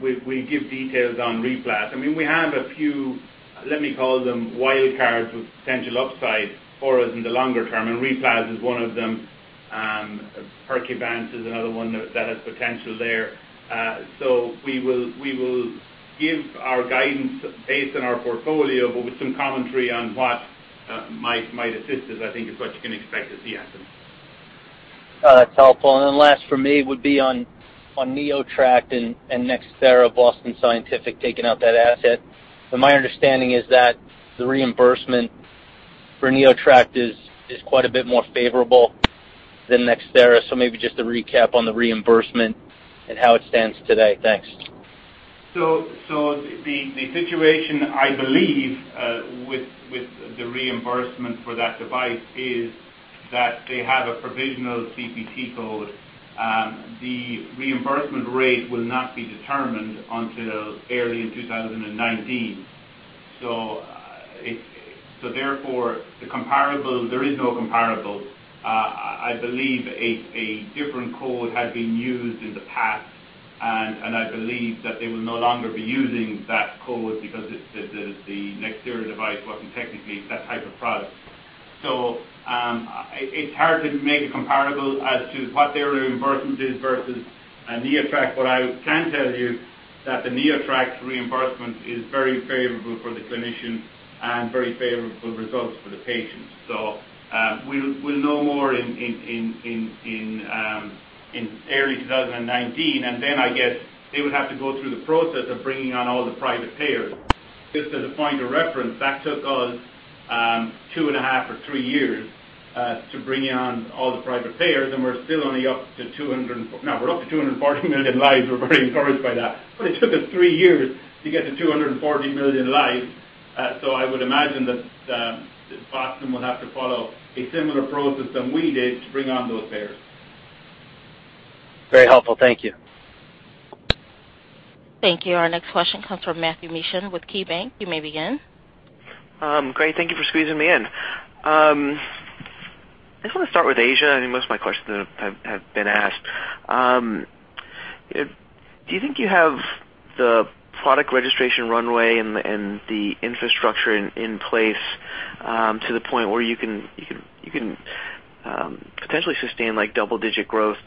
We give details on RePlas. We have a few, let me call them wild cards with potential upside for us in the longer term, and RePlas is one of them. Percuvance is another one that has potential there. We will give our guidance based on our portfolio, but with some commentary on what might assist us, I think is what you can expect to see, Anthony. That's helpful. Last for me would be on NeoTract and NxThera, Boston Scientific taking out that asset. My understanding is that the reimbursement for NeoTract is quite a bit more favorable than NxThera. Maybe just a recap on the reimbursement and how it stands today. Thanks. The situation, I believe, with the reimbursement for that device is that they have a provisional CPT code. The reimbursement rate will not be determined until early in 2019. Therefore, there is no comparable. I believe a different code had been used in the past, and I believe that they will no longer be using that code because the NxThera device wasn't technically that type of product. It's hard to make a comparable as to what their reimbursement is versus NeoTract. What I can tell you is that the NeoTract reimbursement is very favorable for the clinician and very favorable results for the patient. We'll know more in early 2019, and then I guess they would have to go through the process of bringing on all the private payers. Just as a point of reference, that took us two and a half or three years, to bring on all the private payers, and we're still only up to 200. Now we're up to 240 million lives. We're very encouraged by that, but it took us three years to get to 240 million lives. I would imagine that Boston will have to follow a similar process than we did to bring on those payers. Very helpful. Thank you. Thank you. Our next question comes from Matthew Mishan with KeyBanc. You may begin. Great. Thank you for squeezing me in. I just want to start with Asia. I think most of my questions have been asked. Do you think you have the product registration runway and the infrastructure in place, to the point where you can potentially sustain double-digit growth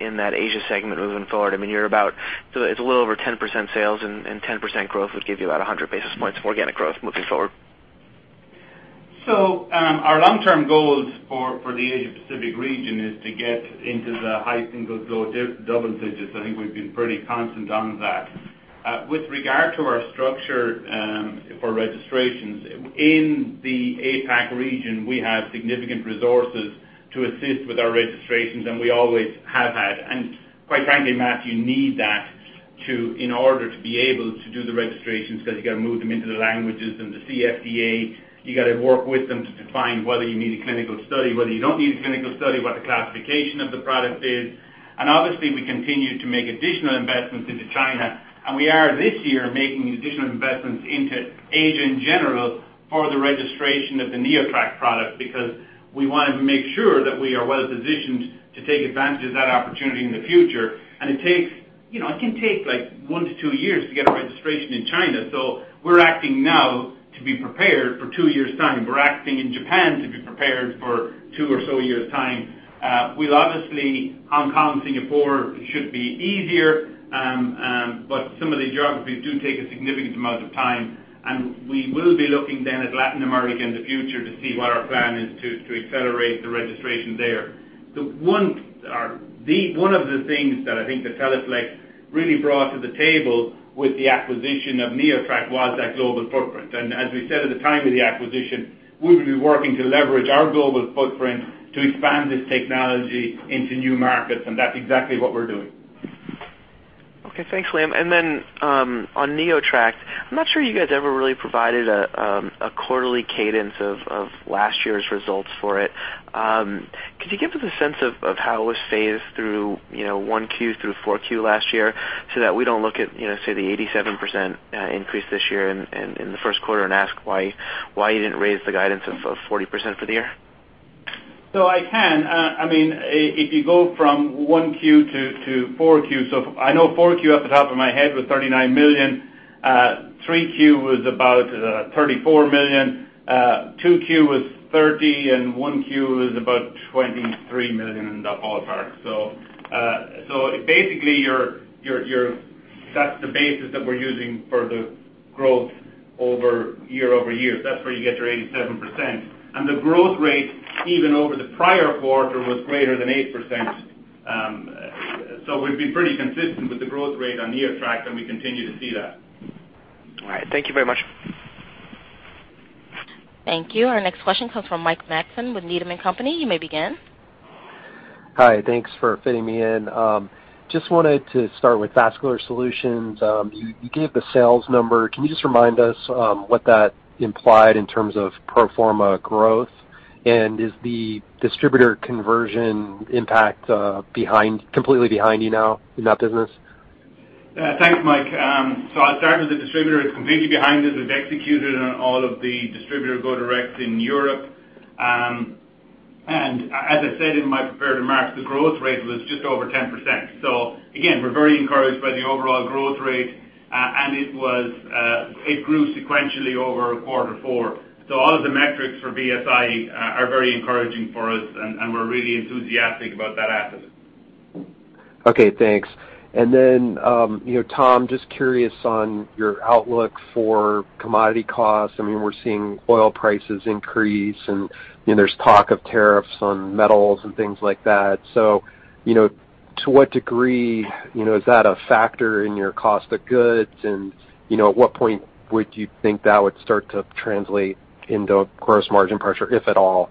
in that Asia segment moving forward? It's a little over 10% sales, and 10% growth would give you about 100 basis points of organic growth moving forward. Our long-term goals for the Asia Pacific region is to get into the high single digits, low double digits. I think we've been pretty constant on that. With regard to our structure for registrations in the APAC region, we have significant resources to assist with our registrations, and we always have had. Quite frankly, Matt, you need that in order to be able to do the registrations because you got to move them into the languages and the CFDA. You got to work with them to define whether you need a clinical study, whether you don't need a clinical study, what the classification of the product is. Obviously, we continue to make additional investments into China. We are this year making additional investments into Asia in general for the registration of the NeoTract product, because we want to make sure that we are well-positioned to take advantage of that opportunity in the future. It can take one to two years to get a registration in China. We're acting now to be prepared for two years' time. We're acting in Japan to be prepared for two or so years' time. Obviously, Hong Kong, Singapore should be easier. Some of the geographies do take a significant amount of time, and we will be looking then at Latin America in the future to see what our plan is to accelerate the registration there. One of the things that I think that Teleflex really brought to the table with the acquisition of NeoTract was that global footprint. As we said at the time of the acquisition, we'd be working to leverage our global footprint to expand this technology into new markets, and that's exactly what we're doing. Okay. Thanks, Liam. On NeoTract, I'm not sure you guys ever really provided a quarterly cadence of last year's results for it. Could you give us a sense of how it was phased through 1Q through 4Q last year so that we don't look at, say the 87% increase this year in the first quarter and ask why you didn't raise the guidance of 40% for the year? I can. If you go from 1Q to 4Q. I know 4Q off the top of my head was $39 million. 3Q was about $34 million. 2Q was $30 million, and 1Q was about $23 million in the ballpark. Basically, that's the basis that we're using for the growth year-over-year. That's where you get your 87%. The growth rate, even over the prior quarter, was greater than 8%. We've been pretty consistent with the growth rate on NeoTract, and we continue to see that. All right. Thank you very much. Thank you. Our next question comes from Mike Matson with Needham & Company. You may begin. Hi. Thanks for fitting me in. Just wanted to start with Vascular Solutions. You gave the sales number. Can you just remind us what that implied in terms of pro forma growth? Is the distributor conversion impact completely behind you now in that business? Yeah. Thanks, Mike. I'll start with the distributor. It's completely behind us. We've executed on all of the distributor go direct in Europe. As I said in my prepared remarks, the growth rate was just over 10%. Again, we're very encouraged by the overall growth rate. It grew sequentially over quarter four. All of the metrics for VSI are very encouraging for us, and we're really enthusiastic about that asset. Okay, thanks. Tom, just curious on your outlook for commodity costs. We're seeing oil prices increase, and there's talk of tariffs on metals and things like that. To what degree is that a factor in your cost of goods? At what point would you think that would start to translate into gross margin pressure, if at all?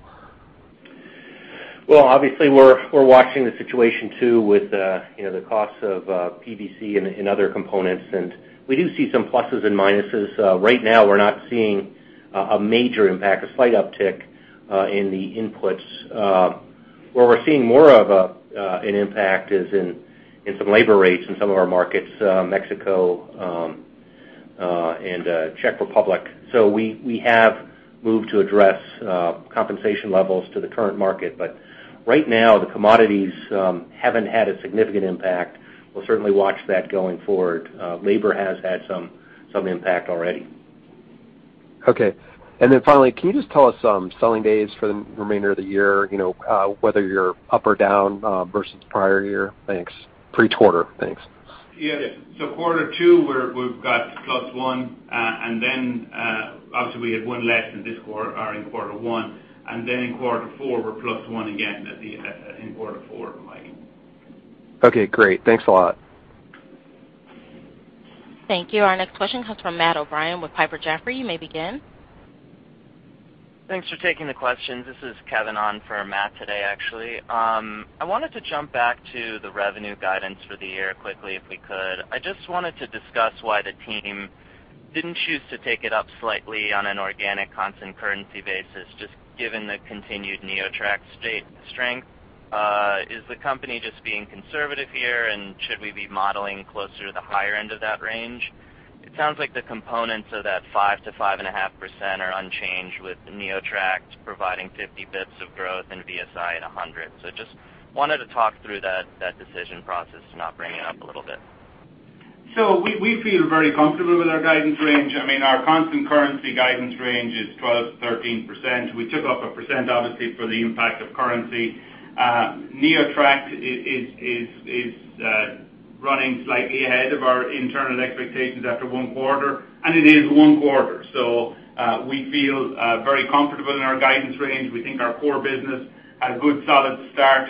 Well, obviously, we're watching the situation too, with the costs of PVC and other components, and we do see some pluses and minuses. Right now, we're not seeing a major impact, a slight uptick in the inputs. Where we're seeing more of an impact is in some labor rates in some of our markets, Mexico and Czech Republic. We have moved to address compensation levels to the current market. Right now, the commodities haven't had a significant impact. We'll certainly watch that going forward. Labor has had some impact already. Okay. Finally, can you just tell us selling days for the remainder of the year, whether you're up or down, versus prior year? Thanks. Per quarter. Thanks. Yes. Quarter two, we've got plus one. Obviously we had one less in this quarter or in quarter one, and then in quarter four we're plus one again in quarter four, Mike. Okay, great. Thanks a lot. Thank you. Our next question comes from Matt O'Brien with Piper Jaffray. You may begin. Thanks for taking the questions. This is Kevin on for Matt today, actually. I wanted to jump back to the revenue guidance for the year quickly, if we could. I just wanted to discuss why the team didn't choose to take it up slightly on an organic constant currency basis, just given the continued NeoTract strength. Is the company just being conservative here, and should we be modeling closer to the higher end of that range? It sounds like the components of that 5%-5.5% are unchanged, with NeoTract providing 50 basis points of growth and VSI at 100 basis points. Just wanted to talk through that decision process to not bring it up a little bit. We feel very comfortable with our guidance range. I mean, our constant currency guidance range is 12%-13%. We took up a percent, obviously, for the impact of currency. NeoTract is running slightly ahead of our internal expectations after one quarter, and it is one quarter. We feel very comfortable in our guidance range. We think our core business had a good, solid start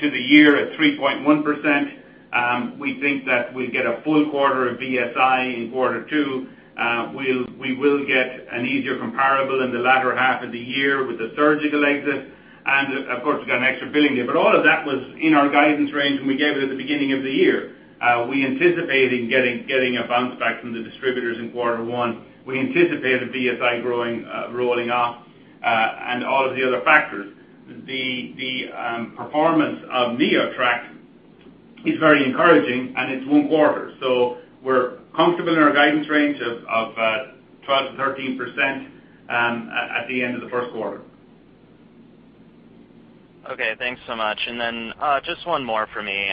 to the year at 3.1%. We think that we'll get a full quarter of VSI in quarter two. We will get an easier comparable in the latter half of the year with the surgical exit. Of course, we've got an extra [$1 million] there. All of that was in our guidance range, and we gave it at the beginning of the year. We anticipated getting a bounce back from the distributors in quarter one. We anticipated VSI growing, rolling off, and all of the other factors. The performance of NeoTract is very encouraging, and it's one quarter. We're comfortable in our guidance range of 12%-13% at the end of the first quarter. Okay. Thanks so much. Just one more for me.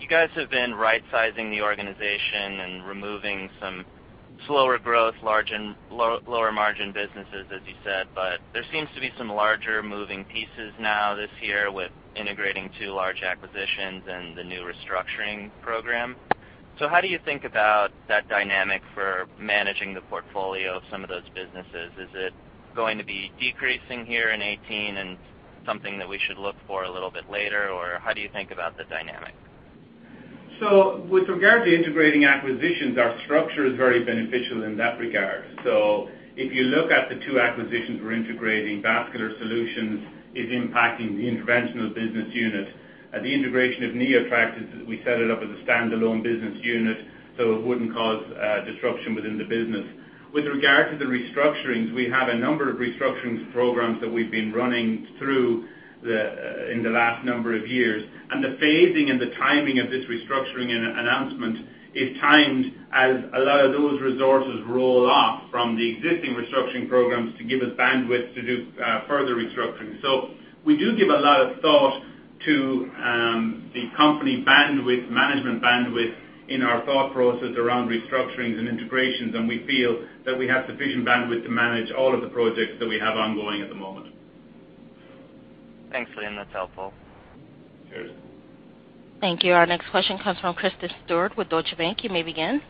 You guys have been right-sizing the organization and removing some slower growth, lower margin businesses, as you said. There seems to be some larger moving pieces now this year with integrating two large acquisitions and the new restructuring program. How do you think about that dynamic for managing the portfolio of some of those businesses? Is it going to be decreasing here in 2018 and something that we should look for a little bit later? How do you think about the dynamic? With regard to integrating acquisitions, our structure is very beneficial in that regard. If you look at the two acquisitions we're integrating, Vascular Solutions is impacting the interventional business unit. The integration of NeoTract is we set it up as a standalone business unit, so it wouldn't cause disruption within the business. With regard to the restructurings, we have a number of restructurings programs that we've been running through in the last number of years. The phasing and the timing of this restructuring announcement is timed as a lot of those resources roll off from the existing restructuring programs to give us bandwidth to do further restructuring. We do give a lot of thought to the company bandwidth, management bandwidth in our thought process around restructurings and integrations, and we feel that we have sufficient bandwidth to manage all of the projects that we have ongoing at the moment. Thanks, Liam. That's helpful. Cheers. Thank you. Our next question comes from Kristen Stewart with Deutsche Bank. You may begin.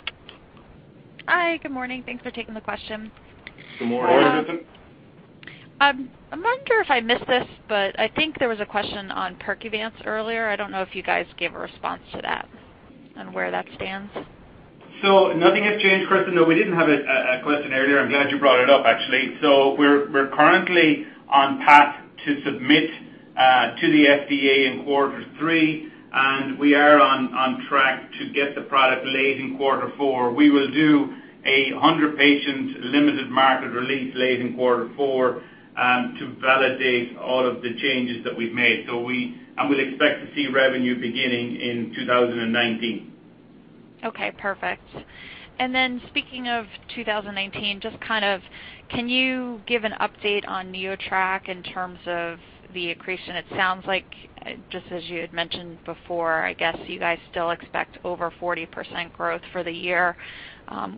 Hi. Good morning. Thanks for taking the question. Good morning, Kristen. I'm wondering if I missed this, but I think there was a question on Percuvance earlier. I don't know if you guys gave a response to that on where that stands. Nothing has changed, Kristen. No, we didn't have a question earlier. I'm glad you brought it up, actually. We're currently on path to submit to the FDA in quarter three, and we are on track to get the product late in quarter four. We will do a 100-patient limited market release late in quarter four to validate all of the changes that we've made. We'll expect to see revenue beginning in 2019. Okay, perfect. Speaking of 2019, just kind of can you give an update on NeoTract in terms of the accretion? It sounds like, just as you had mentioned before, I guess you guys still expect over 40% growth for the year.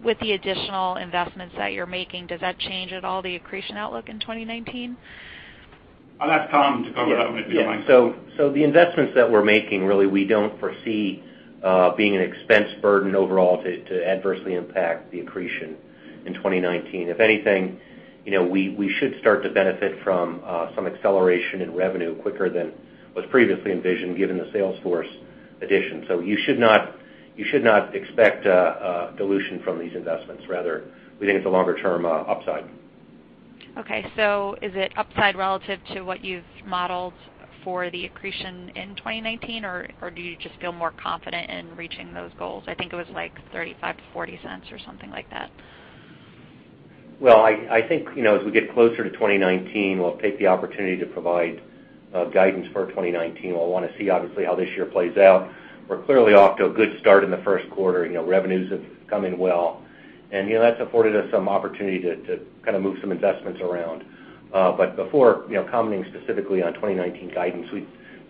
With the additional investments that you're making, does that change at all the accretion outlook in 2019? I'll ask Tom to cover that one if you don't mind. Yeah. The investments that we're making, really, we don't foresee being an expense burden overall to adversely impact the accretion in 2019. If anything, we should start to benefit from some acceleration in revenue quicker than was previously envisioned, given the sales force addition. You should not expect dilution from these investments. Rather, we think it's a longer-term upside. Okay, is it upside relative to what you've modeled for the accretion in 2019? Or do you just feel more confident in reaching those goals? I think it was like $0.35-$0.40 or something like that. Well, I think, as we get closer to 2019, we'll take the opportunity to provide guidance for 2019. We'll want to see, obviously, how this year plays out. We're clearly off to a good start in the first quarter. Revenues have come in well. That's afforded us some opportunity to kind of move some investments around. Before commenting specifically on 2019 guidance, we'd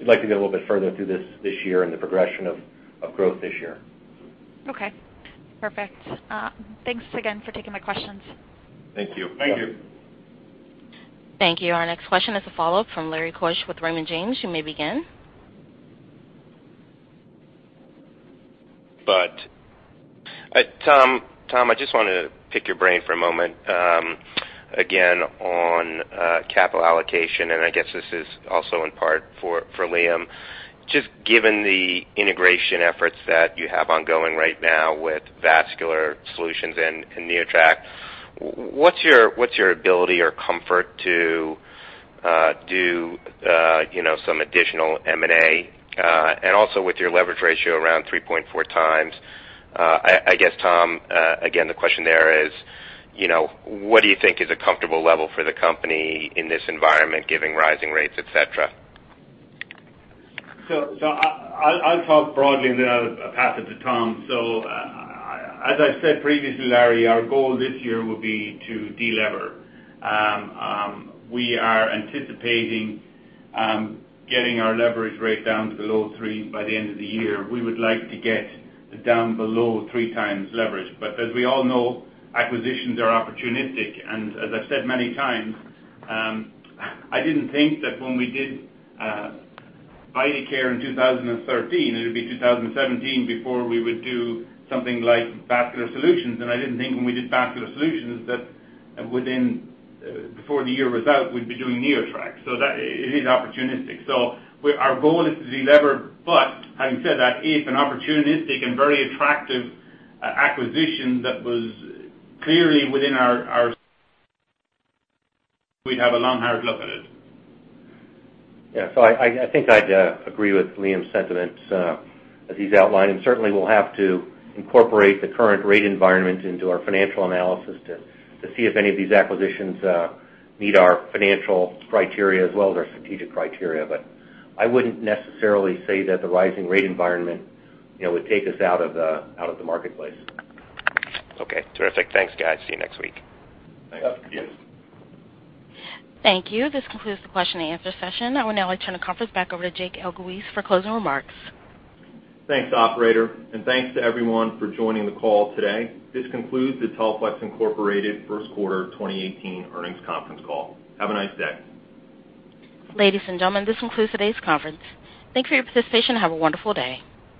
like to get a little bit further through this year and the progression of growth this year. Okay, perfect. Thanks again for taking my questions. Thank you. Thank you. Thank you. Our next question is a follow-up from Lawrence Keusch with Raymond James. You may begin. Tom, I just want to pick your brain for a moment, again, on capital allocation. I guess this is also in part for Liam. Given the integration efforts that you have ongoing right now with Vascular Solutions and NeoTract, what's your ability or comfort to do some additional M&A? Also with your leverage ratio around 3.4 times, I guess, Tom again, the question there is, what do you think is a comfortable level for the company in this environment, given rising rates, et cetera? I'll talk broadly. Then I'll pass it to Tom. As I said previously, Larry, our goal this year will be to de-lever. We are anticipating getting our leverage rate down to below three by the end of the year. We would like to get it down below three times leverage. As we all know, acquisitions are opportunistic, and as I've said many times, I didn't think that when we did Vidacare Corporation in 2013, it would be 2017 before we would do something like Vascular Solutions. I didn't think when we did Vascular Solutions that before the year was out, we'd be doing NeoTract. It is opportunistic. Our goal is to de-lever. Having said that, if an opportunistic and very attractive acquisition that was clearly within we'd have a long, hard look at it. I think I'd agree with Liam's sentiments as he's outlined. Certainly we'll have to incorporate the current rate environment into our financial analysis to see if any of these acquisitions meet our financial criteria as well as our strategic criteria. I wouldn't necessarily say that the rising rate environment would take us out of the marketplace. Okay, terrific. Thanks, guys. See you next week. Thanks. Thank you. This concludes the question and answer session. I would now like to turn the conference back over to Jake Elguicze for closing remarks. Thanks, operator, and thanks to everyone for joining the call today. This concludes the Teleflex Incorporated first quarter 2018 earnings conference call. Have a nice day. Ladies and gentlemen, this concludes today's conference. Thanks for your participation. Have a wonderful day.